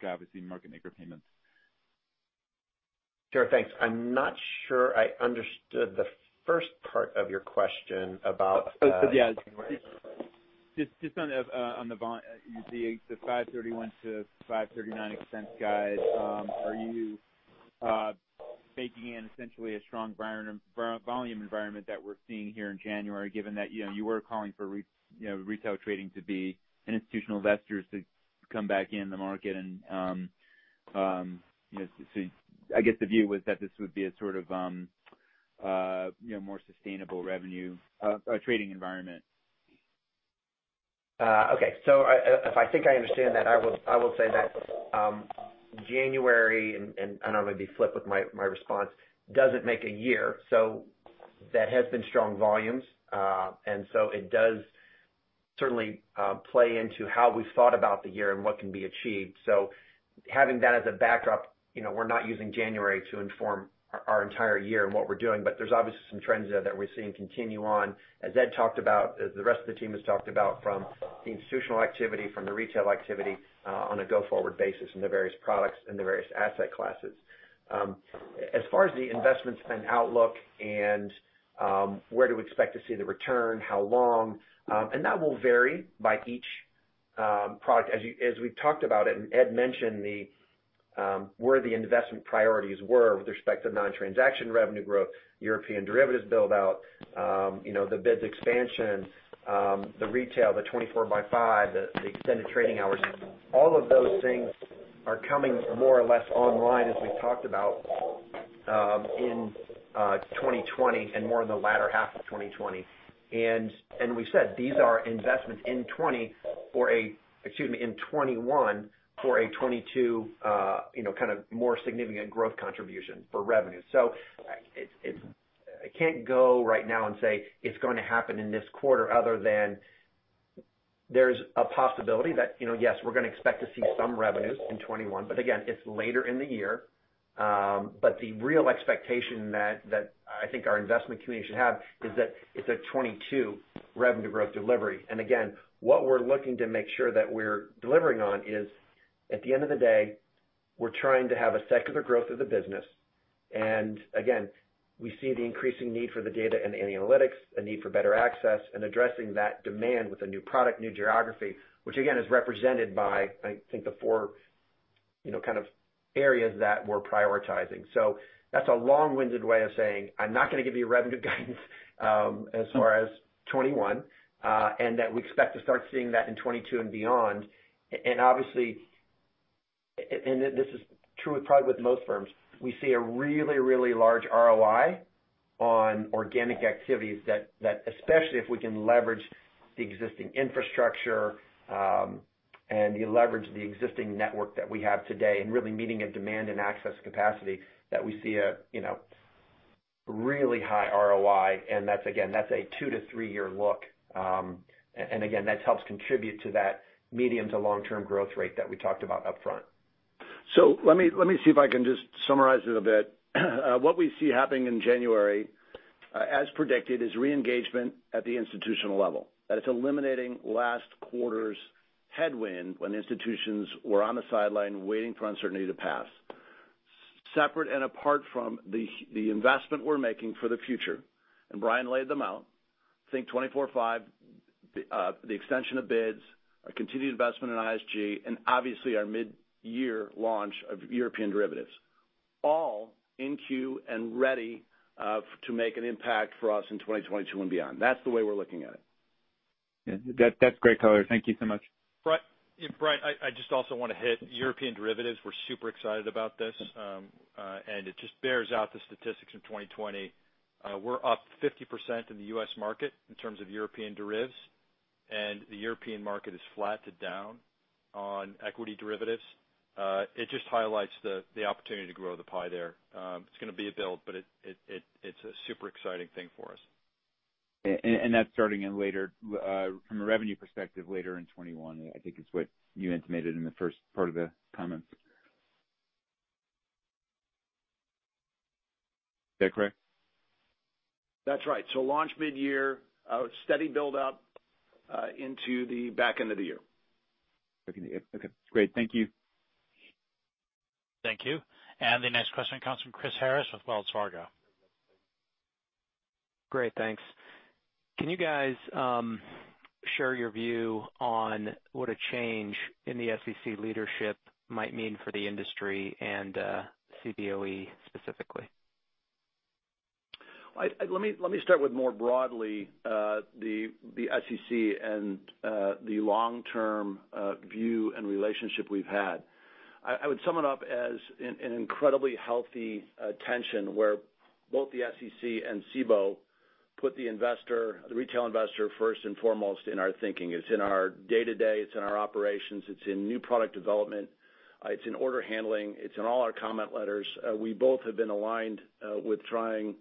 obviously market maker payments. Sure. Thanks. I'm not sure I understood the first part of your question about. Oh, yeah. Just on the $531 million-$539 million expense guide, are you baking in essentially a strong volume environment that we're seeing here in January, given that you were calling for retail trading to be an institutional investors to come back in the market and, I guess the view was that this would be a sort of more sustainable revenue trading environment? Okay. If I think I understand that, I will say that January, and I know I'm going to be flip with my response, doesn't make a year. That has been strong volumes. It does certainly play into how we've thought about the year and what can be achieved. Having that as a backdrop, we're not using January to inform our entire year and what we're doing, but there's obviously some trends there that we're seeing continue on, as Ed talked about, as the rest of the team has talked about from the institutional activity, from the retail activity on a go-forward basis in the various products and the various asset classes. As far as the investment spend outlook and where do we expect to see the return, how long, and that will vary by each product. As we've talked about it, and Ed mentioned where the investment priorities were with respect to non-transaction revenue growth, Cboe Europe Derivatives build-out, the BIDS expansion, the retail, the 24/5, the extended trading hours. All of those things are coming more or less online, as we talked about, in 2020 and more in the latter half of 2020. We've said, these are investments in 2021 for a 2022 more significant growth contribution for revenue. I can't go right now and say it's going to happen in this quarter other than there's a possibility that, yes, we're going to expect to see some revenue in 2021, but again, it's later in the year. The real expectation that I think our investment community should have is that it's a 2022 revenue growth delivery. What we're looking to make sure that we're delivering on is at the end of the day, we're trying to have a secular growth of the business. We see the increasing need for the data and analytics, a need for better access and addressing that demand with a new product, new geography, which again is represented by, I think, the four kind of areas that we're prioritizing. That's a long-winded way of saying I'm not going to give you revenue guidance as far as 2021, and that we expect to start seeing that in 2022 and beyond. Obviously, and this is true probably with most firms, we see a really, really large ROI on organic activities that especially if we can leverage the existing infrastructure and leverage the existing network that we have today and really meeting a demand and access capacity that we see a really high ROI and that's again, that's a two to three-year look. Again, that helps contribute to that medium to long-term growth rate that we talked about upfront. Let me see if I can just summarize it a bit. What we see happening in January, as predicted, is re-engagement at the institutional level. That it's eliminating last quarter's headwind when institutions were on the sideline waiting for uncertainty to pass. Separate and apart from the investment we're making for the future, Brian laid them out, I think 24/5, the extension of BIDS, a continued investment in ISG, and obviously our mid-year launch of Cboe Europe Derivatives, all in queue and ready to make an impact for us in 2022 and beyond. That's the way we're looking at it. Yeah, that's great color. Thank you so much. Brian, I just also want to hit European derivatives. We're super excited about this. It just bears out the statistics in 2020. We're up 50% in the U.S. market in terms of European derivatives, and the European market is flat to down on equity derivatives. It just highlights the opportunity to grow the pie there. It's going to be a build, but it's a super exciting thing for us. That's starting from a revenue perspective later in 2021, I think is what you intimated in the first part of the comments. Is that correct? That's right. Launch mid-year, steady build-up into the back end of the year. Okay, great. Thank you. Thank you. The next question comes from Chris Harris with Wells Fargo. Great. Thanks. Can you guys share your view on what a change in the SEC leadership might mean for the industry and Cboe specifically? Let me start with more broadly, the SEC and the long-term view and relationship we've had. I would sum it up as an incredibly healthy tension where both the SEC and Cboe put the retail investor first and foremost in our thinking. It's in our day-to-day, it's in our operations, it's in new product development, it's in order handling, it's in all our comment letters. We both have been aligned with trying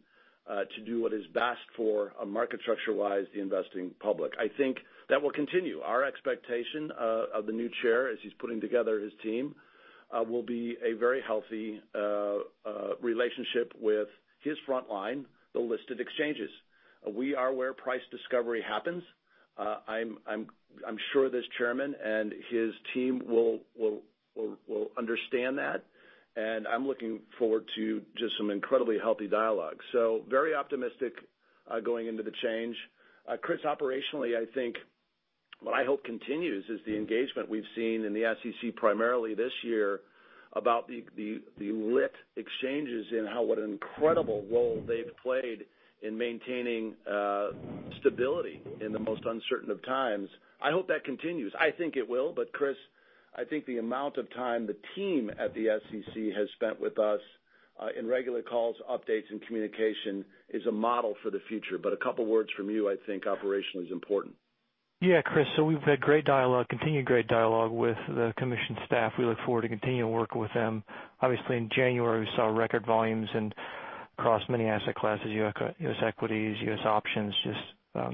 to do what is best for, market structure-wise, the investing public. I think that will continue. Our expectation of the new chair, as he's putting together his team, will be a very healthy relationship with his front line, the listed exchanges. We are where price discovery happens. I'm sure this chairman and his team will understand that. I'm looking forward to just some incredibly healthy dialogue. Very optimistic going into the change. Chris, operationally, I think what I hope continues is the engagement we've seen in the SEC primarily this year about the lit exchanges and what an incredible role they've played in maintaining stability in the most uncertain of times. I hope that continues. I think it will. Chris, I think the amount of time the team at the SEC has spent with us in regular calls, updates, and communication is a model for the future. A couple of words from you, I think, operationally is important. Yeah, Chris. We've had great dialogue, continued great dialogue with the commission staff. We look forward to continuing to work with them. Obviously, in January, we saw record volumes and across many asset classes, U.S. equities, U.S. options, just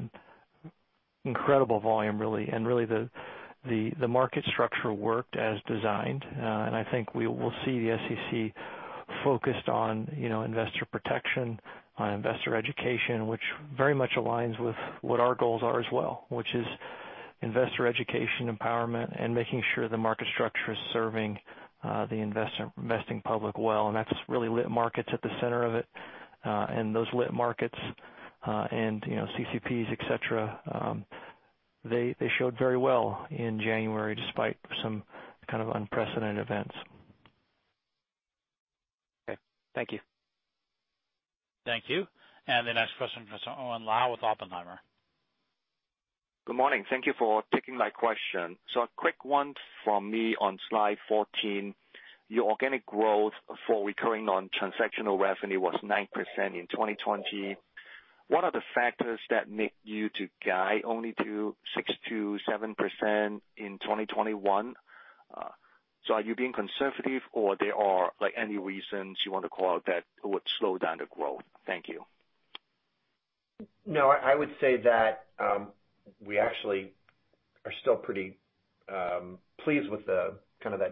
incredible volume, really. Really the market structure worked as designed. I think we will see the SEC focused on investor protection, on investor education, which very much aligns with what our goals are as well, which is investor education, empowerment, and making sure the market structure is serving the investing public well, and that's really lit markets at the center of it. Those lit markets and CCPs, et cetera, they showed very well in January despite some kind of unprecedented events. Okay. Thank you. Thank you. The next question, Chris, Owen Lau with Oppenheimer. Good morning. Thank you for taking my question. A quick one from me on slide 14. Your organic growth for recurring non-transactional revenue was 9% in 2020. What are the factors that make you to guide only to 6%-7% in 2021? Are you being conservative or there are any reasons you want to call out that would slow down the growth? Thank you. No, I would say that we actually are still pretty pleased with that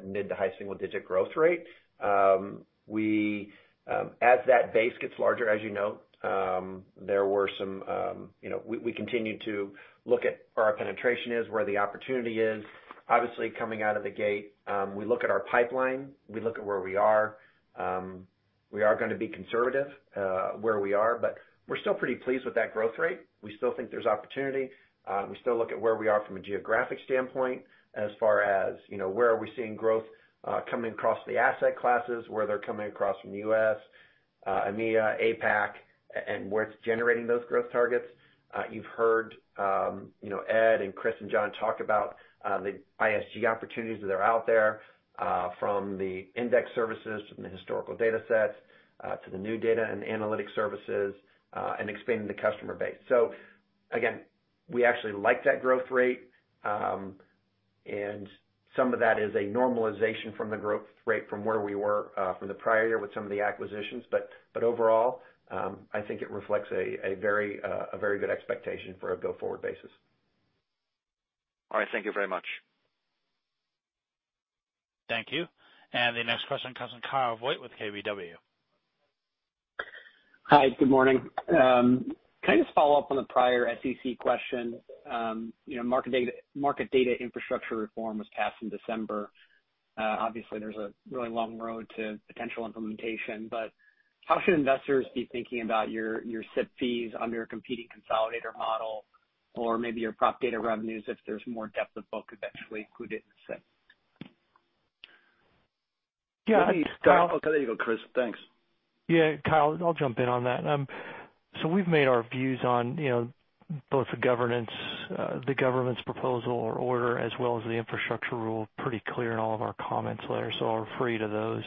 mid to high single-digit growth rate. As that base gets larger, as you know, we continue to look at where our penetration is, where the opportunity is. Obviously, coming out of the gate, we look at our pipeline, we look at where we are. We are going to be conservative where we are, but we're still pretty pleased with that growth rate. We still think there's opportunity. We still look at where we are from a geographic standpoint as far as where are we seeing growth coming across the asset classes, where they're coming across from the U.S., EMEA, APAC, and where it's generating those growth targets. You've heard Ed and Chris and John talk about the ISG opportunities that are out there from the index services, from the historical data sets to the new data and analytics services, and expanding the customer base. Again, we actually like that growth rate. Some of that is a normalization from the growth rate from where we were from the prior year with some of the acquisitions. Overall, I think it reflects a very good expectation for a go-forward basis. All right. Thank you very much. Thank you. The next question comes from Kyle Voigt with KBW. Hi. Good morning. Can I just follow up on the prior SEC question? Market data infrastructure reform was passed in December. Obviously, there's a really long road to potential implementation, but how should investors be thinking about your SIP fees under your competing consolidator model or maybe your prop data revenues if there's more depth of book eventually included in the SIP? Yeah. Kyle. I'll let you go, Chris. Thanks. Kyle, I'll jump in on that. We've made our views on both the governance proposal or order as well as the infrastructure rule pretty clear in all of our comments letters. I'll refer you to those.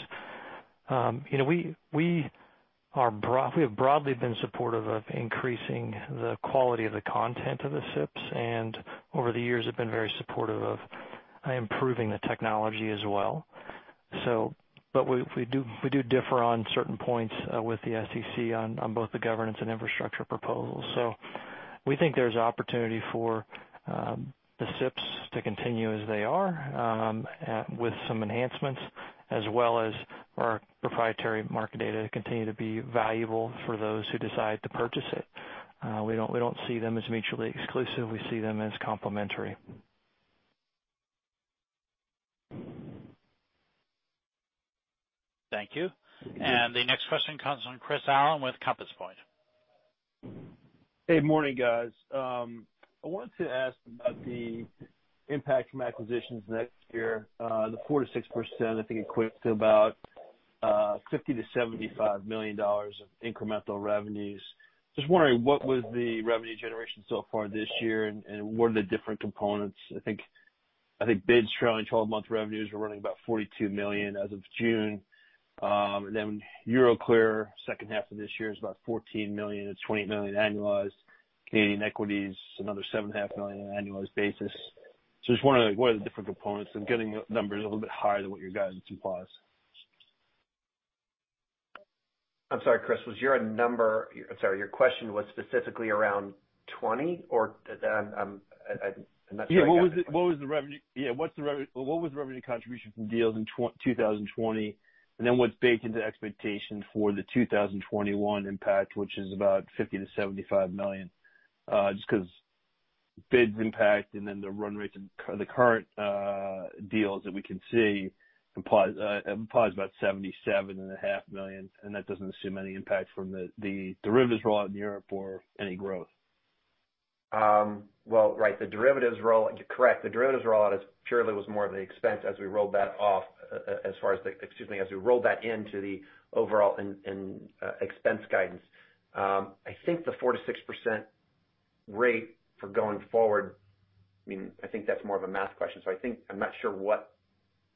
We have broadly been supportive of increasing the quality of the content of the SIPs and over the years have been very supportive of improving the technology as well. We do differ on certain points with the SEC on both the governance and infrastructure proposals. We think there's opportunity for the SIPs to continue as they are with some enhancements as well as our proprietary market data to continue to be valuable for those who decide to purchase it. We don't see them as mutually exclusive. We see them as complementary. Thank you. The next question comes from Chris Allen with Compass Point. Hey, morning, guys. I wanted to ask about the impact from acquisitions next year, the 4%-6%, I think equates to about $50 million-$75 million of incremental revenues. Just wondering, what was the revenue generation so far this year, and what are the different components? I think BIDS trailing 12-month revenues were running about $42 million as of June. EuroCCP, second half of this year is about $14 million-$20 million annualized. Canadian Equities, another $7.5 million on an annualized basis. Just wondering what are the different components in getting numbers a little bit higher than what you're guiding to. I'm sorry, Chris, your question was specifically around 2020 or, I'm not sure. Yeah. What was the revenue contribution from deals in 2020? What's baked into expectation for the 2021 impact, which is about $50 million-$75 million? Just because BIDS impact and then the run rate from the current deals that we can see implies about $77.5 million, and that doesn't assume any impact from the derivatives rollout in Europe or any growth. Well, right. Correct. The derivatives rollout purely was more of an expense as we rolled that off as far as excuse me, as we rolled that into the overall expense guidance. The 4%-6% rate for going forward, I think that's more of a math question. I'm not sure what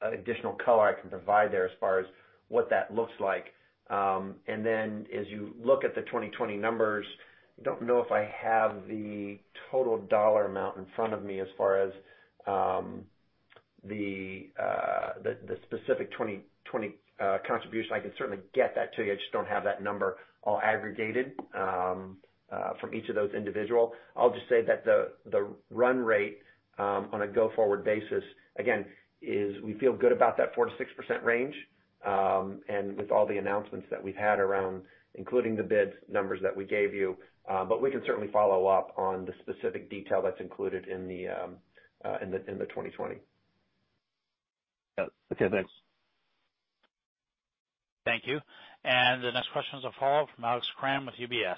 additional color I can provide there as far as what that looks like. As you look at the 2020 numbers, I don't know if I have the total dollar amount in front of me as far as the specific 2020 contribution. I can certainly get that to you. I just don't have that number all aggregated from each of those individual. I'll just say that the run rate on a go-forward basis, again, is we feel good about that 4%-6% range. With all the announcements that we've had around, including the BIDS numbers that we gave you. We can certainly follow up on the specific detail that's included in the 2020. Okay, thanks. Thank you. The next question is a follow-up from Alex Kramm with UBS.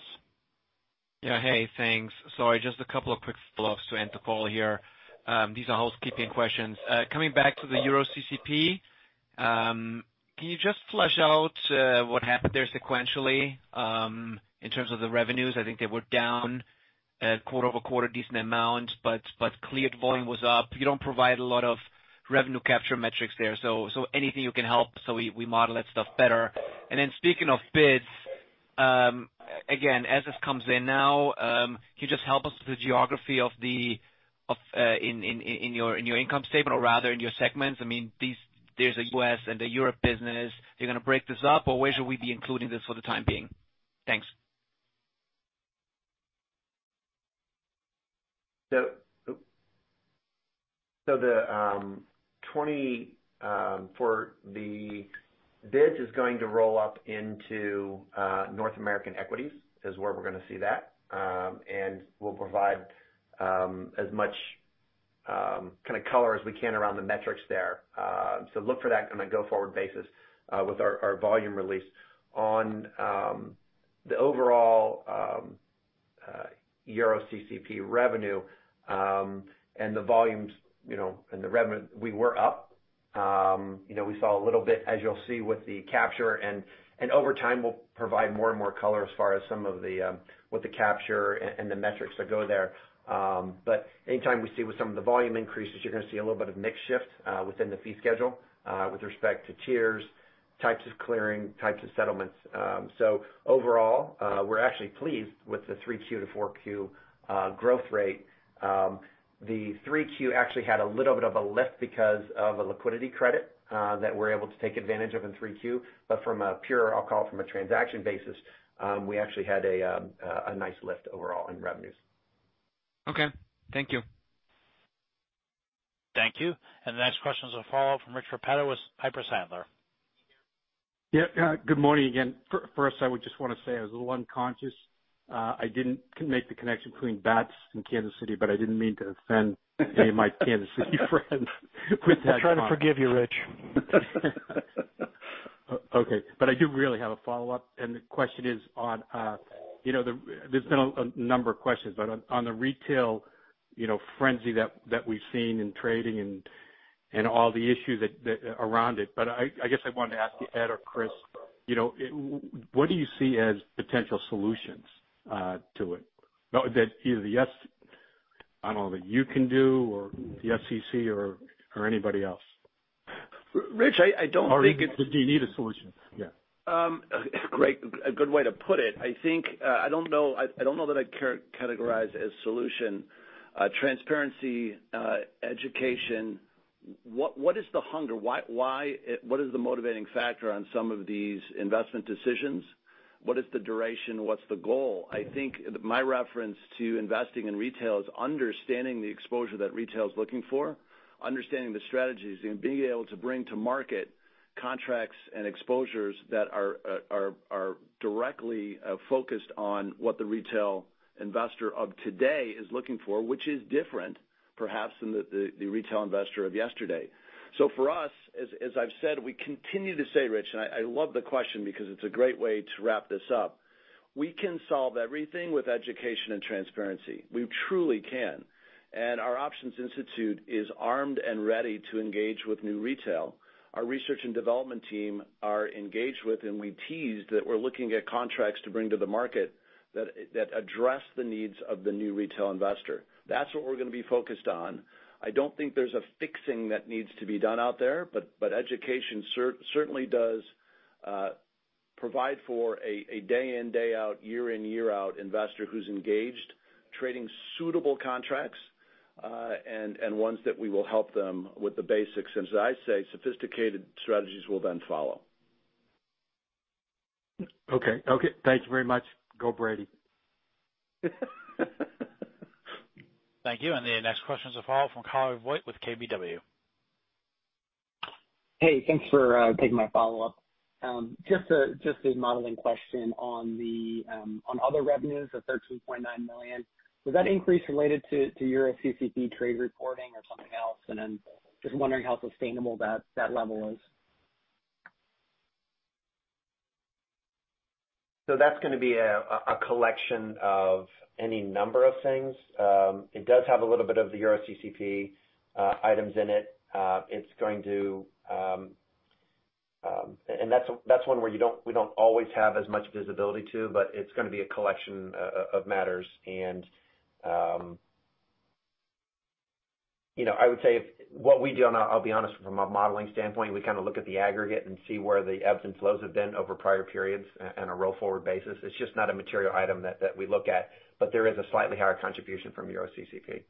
Hey, thanks. Sorry, just a couple of quick follow-ups to end the call here. These are housekeeping questions. Coming back to the EuroCCP, can you just flesh out what happened there sequentially? In terms of the revenues, I think they were down quarter-over-quarter, decent amount. Cleared volume was up. You don't provide a lot of revenue capture metrics there. Anything you can help so we model that stuff better. Speaking of BIDS, again, as this comes in now, can you just help us with the geography in your income statement or rather in your segments? There's a U.S. and a Europe business. You're going to break this up? Where should we be including this for the time being? Thanks. The BIDS is going to roll up into North American Equities, is where we're going to see that. We'll provide as much kind of color as we can around the metrics there. Look for that on a go-forward basis with our volume release. On the overall EuroCCP revenue and the volumes and the revenue, we were up. We saw a little bit, as you'll see, with the capture, and over time, we'll provide more and more color as far as some of the capture and the metrics that go there. Anytime we see with some of the volume increases, you're going to see a little bit of mix shift within the fee schedule with respect to tiers, types of clearing, types of settlements. Overall, we're actually pleased with the 3Q to 4Q growth rate. The 3Q actually had a little bit of a lift because of a liquidity credit that we're able to take advantage of in 3Q. From a pure, I'll call it, from a transaction basis, we actually had a nice lift overall in revenues. Okay. Thank you. Thank you. The next question is a follow-up from Rich Repetto with Piper Sandler. Yeah. Good morning again. First, I would just want to say I was a little unconscious. I didn't make the connection between BATS and Kansas City, but I didn't mean to offend any of my Kansas City friends with that comment. I'll try to forgive you, Rich. Okay. I do really have a follow-up, and the question is on, there's been a number of questions, but on the retail frenzy that we've seen in trading and all the issues around it. I guess I wanted to ask Ed or Chris, what do you see as potential solutions to it? That either I don't know, that you can do or the SEC or anybody else. Rich, I don't think it- Do you need a solution? Yeah. A good way to put it. I don't know that I'd categorize as solution. Transparency, education. What is the hunger? What is the motivating factor on some of these investment decisions? What is the duration? What's the goal? I think my reference to investing in retail is understanding the exposure that retail is looking for, understanding the strategies, and being able to bring to market contracts and exposures that are directly focused on what the retail investor of today is looking for, which is different, perhaps, than the retail investor of yesterday. For us, as I've said, we continue to say, Rich, and I love the question because it's a great way to wrap this up. We can solve everything with education and transparency. We truly can. Our Options Institute is armed and ready to engage with new retail. Our research and development team are engaged with, and we teased that we're looking at contracts to bring to the market that address the needs of the new retail investor. That's what we're going to be focused on. I don't think there's a fixing that needs to be done out there, but education certainly does provide for a day in, day out, year in, year out investor who's engaged trading suitable contracts, and ones that we will help them with the basics. As I say, sophisticated strategies will then follow. Okay. Thank you very much. Go Brady. Thank you. The next questions are follow from Kyle Voigt with KBW. Hey, thanks for taking my follow-up. Just a modeling question on other revenues of $13.9 million. Was that increase related to EuroCCP trade reporting or something else? Just wondering how sustainable that level is. That's going to be a collection of any number of things. It does have a little bit of the EuroCCP items in it. That's one where we don't always have as much visibility to, but it's going to be a collection of matters. I would say what we do, and I'll be honest, from a modeling standpoint, we kind of look at the aggregate and see where the ebbs and flows have been over prior periods on a roll-forward basis. It's just not a material item that we look at. There is a slightly higher contribution from EuroCCP.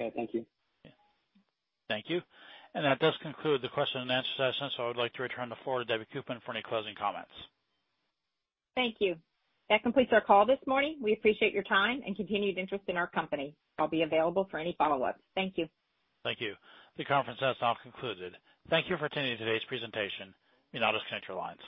Okay, thank you. Thank you. That does conclude the question and answer session, I would like to return the floor to Debbie Koopman for any closing comments. Thank you. That completes our call this morning. We appreciate your time and continued interest in our company. I'll be available for any follow-ups. Thank you. Thank you. The conference has now concluded. Thank you for attending today's presentation, You may now disconnect your lines.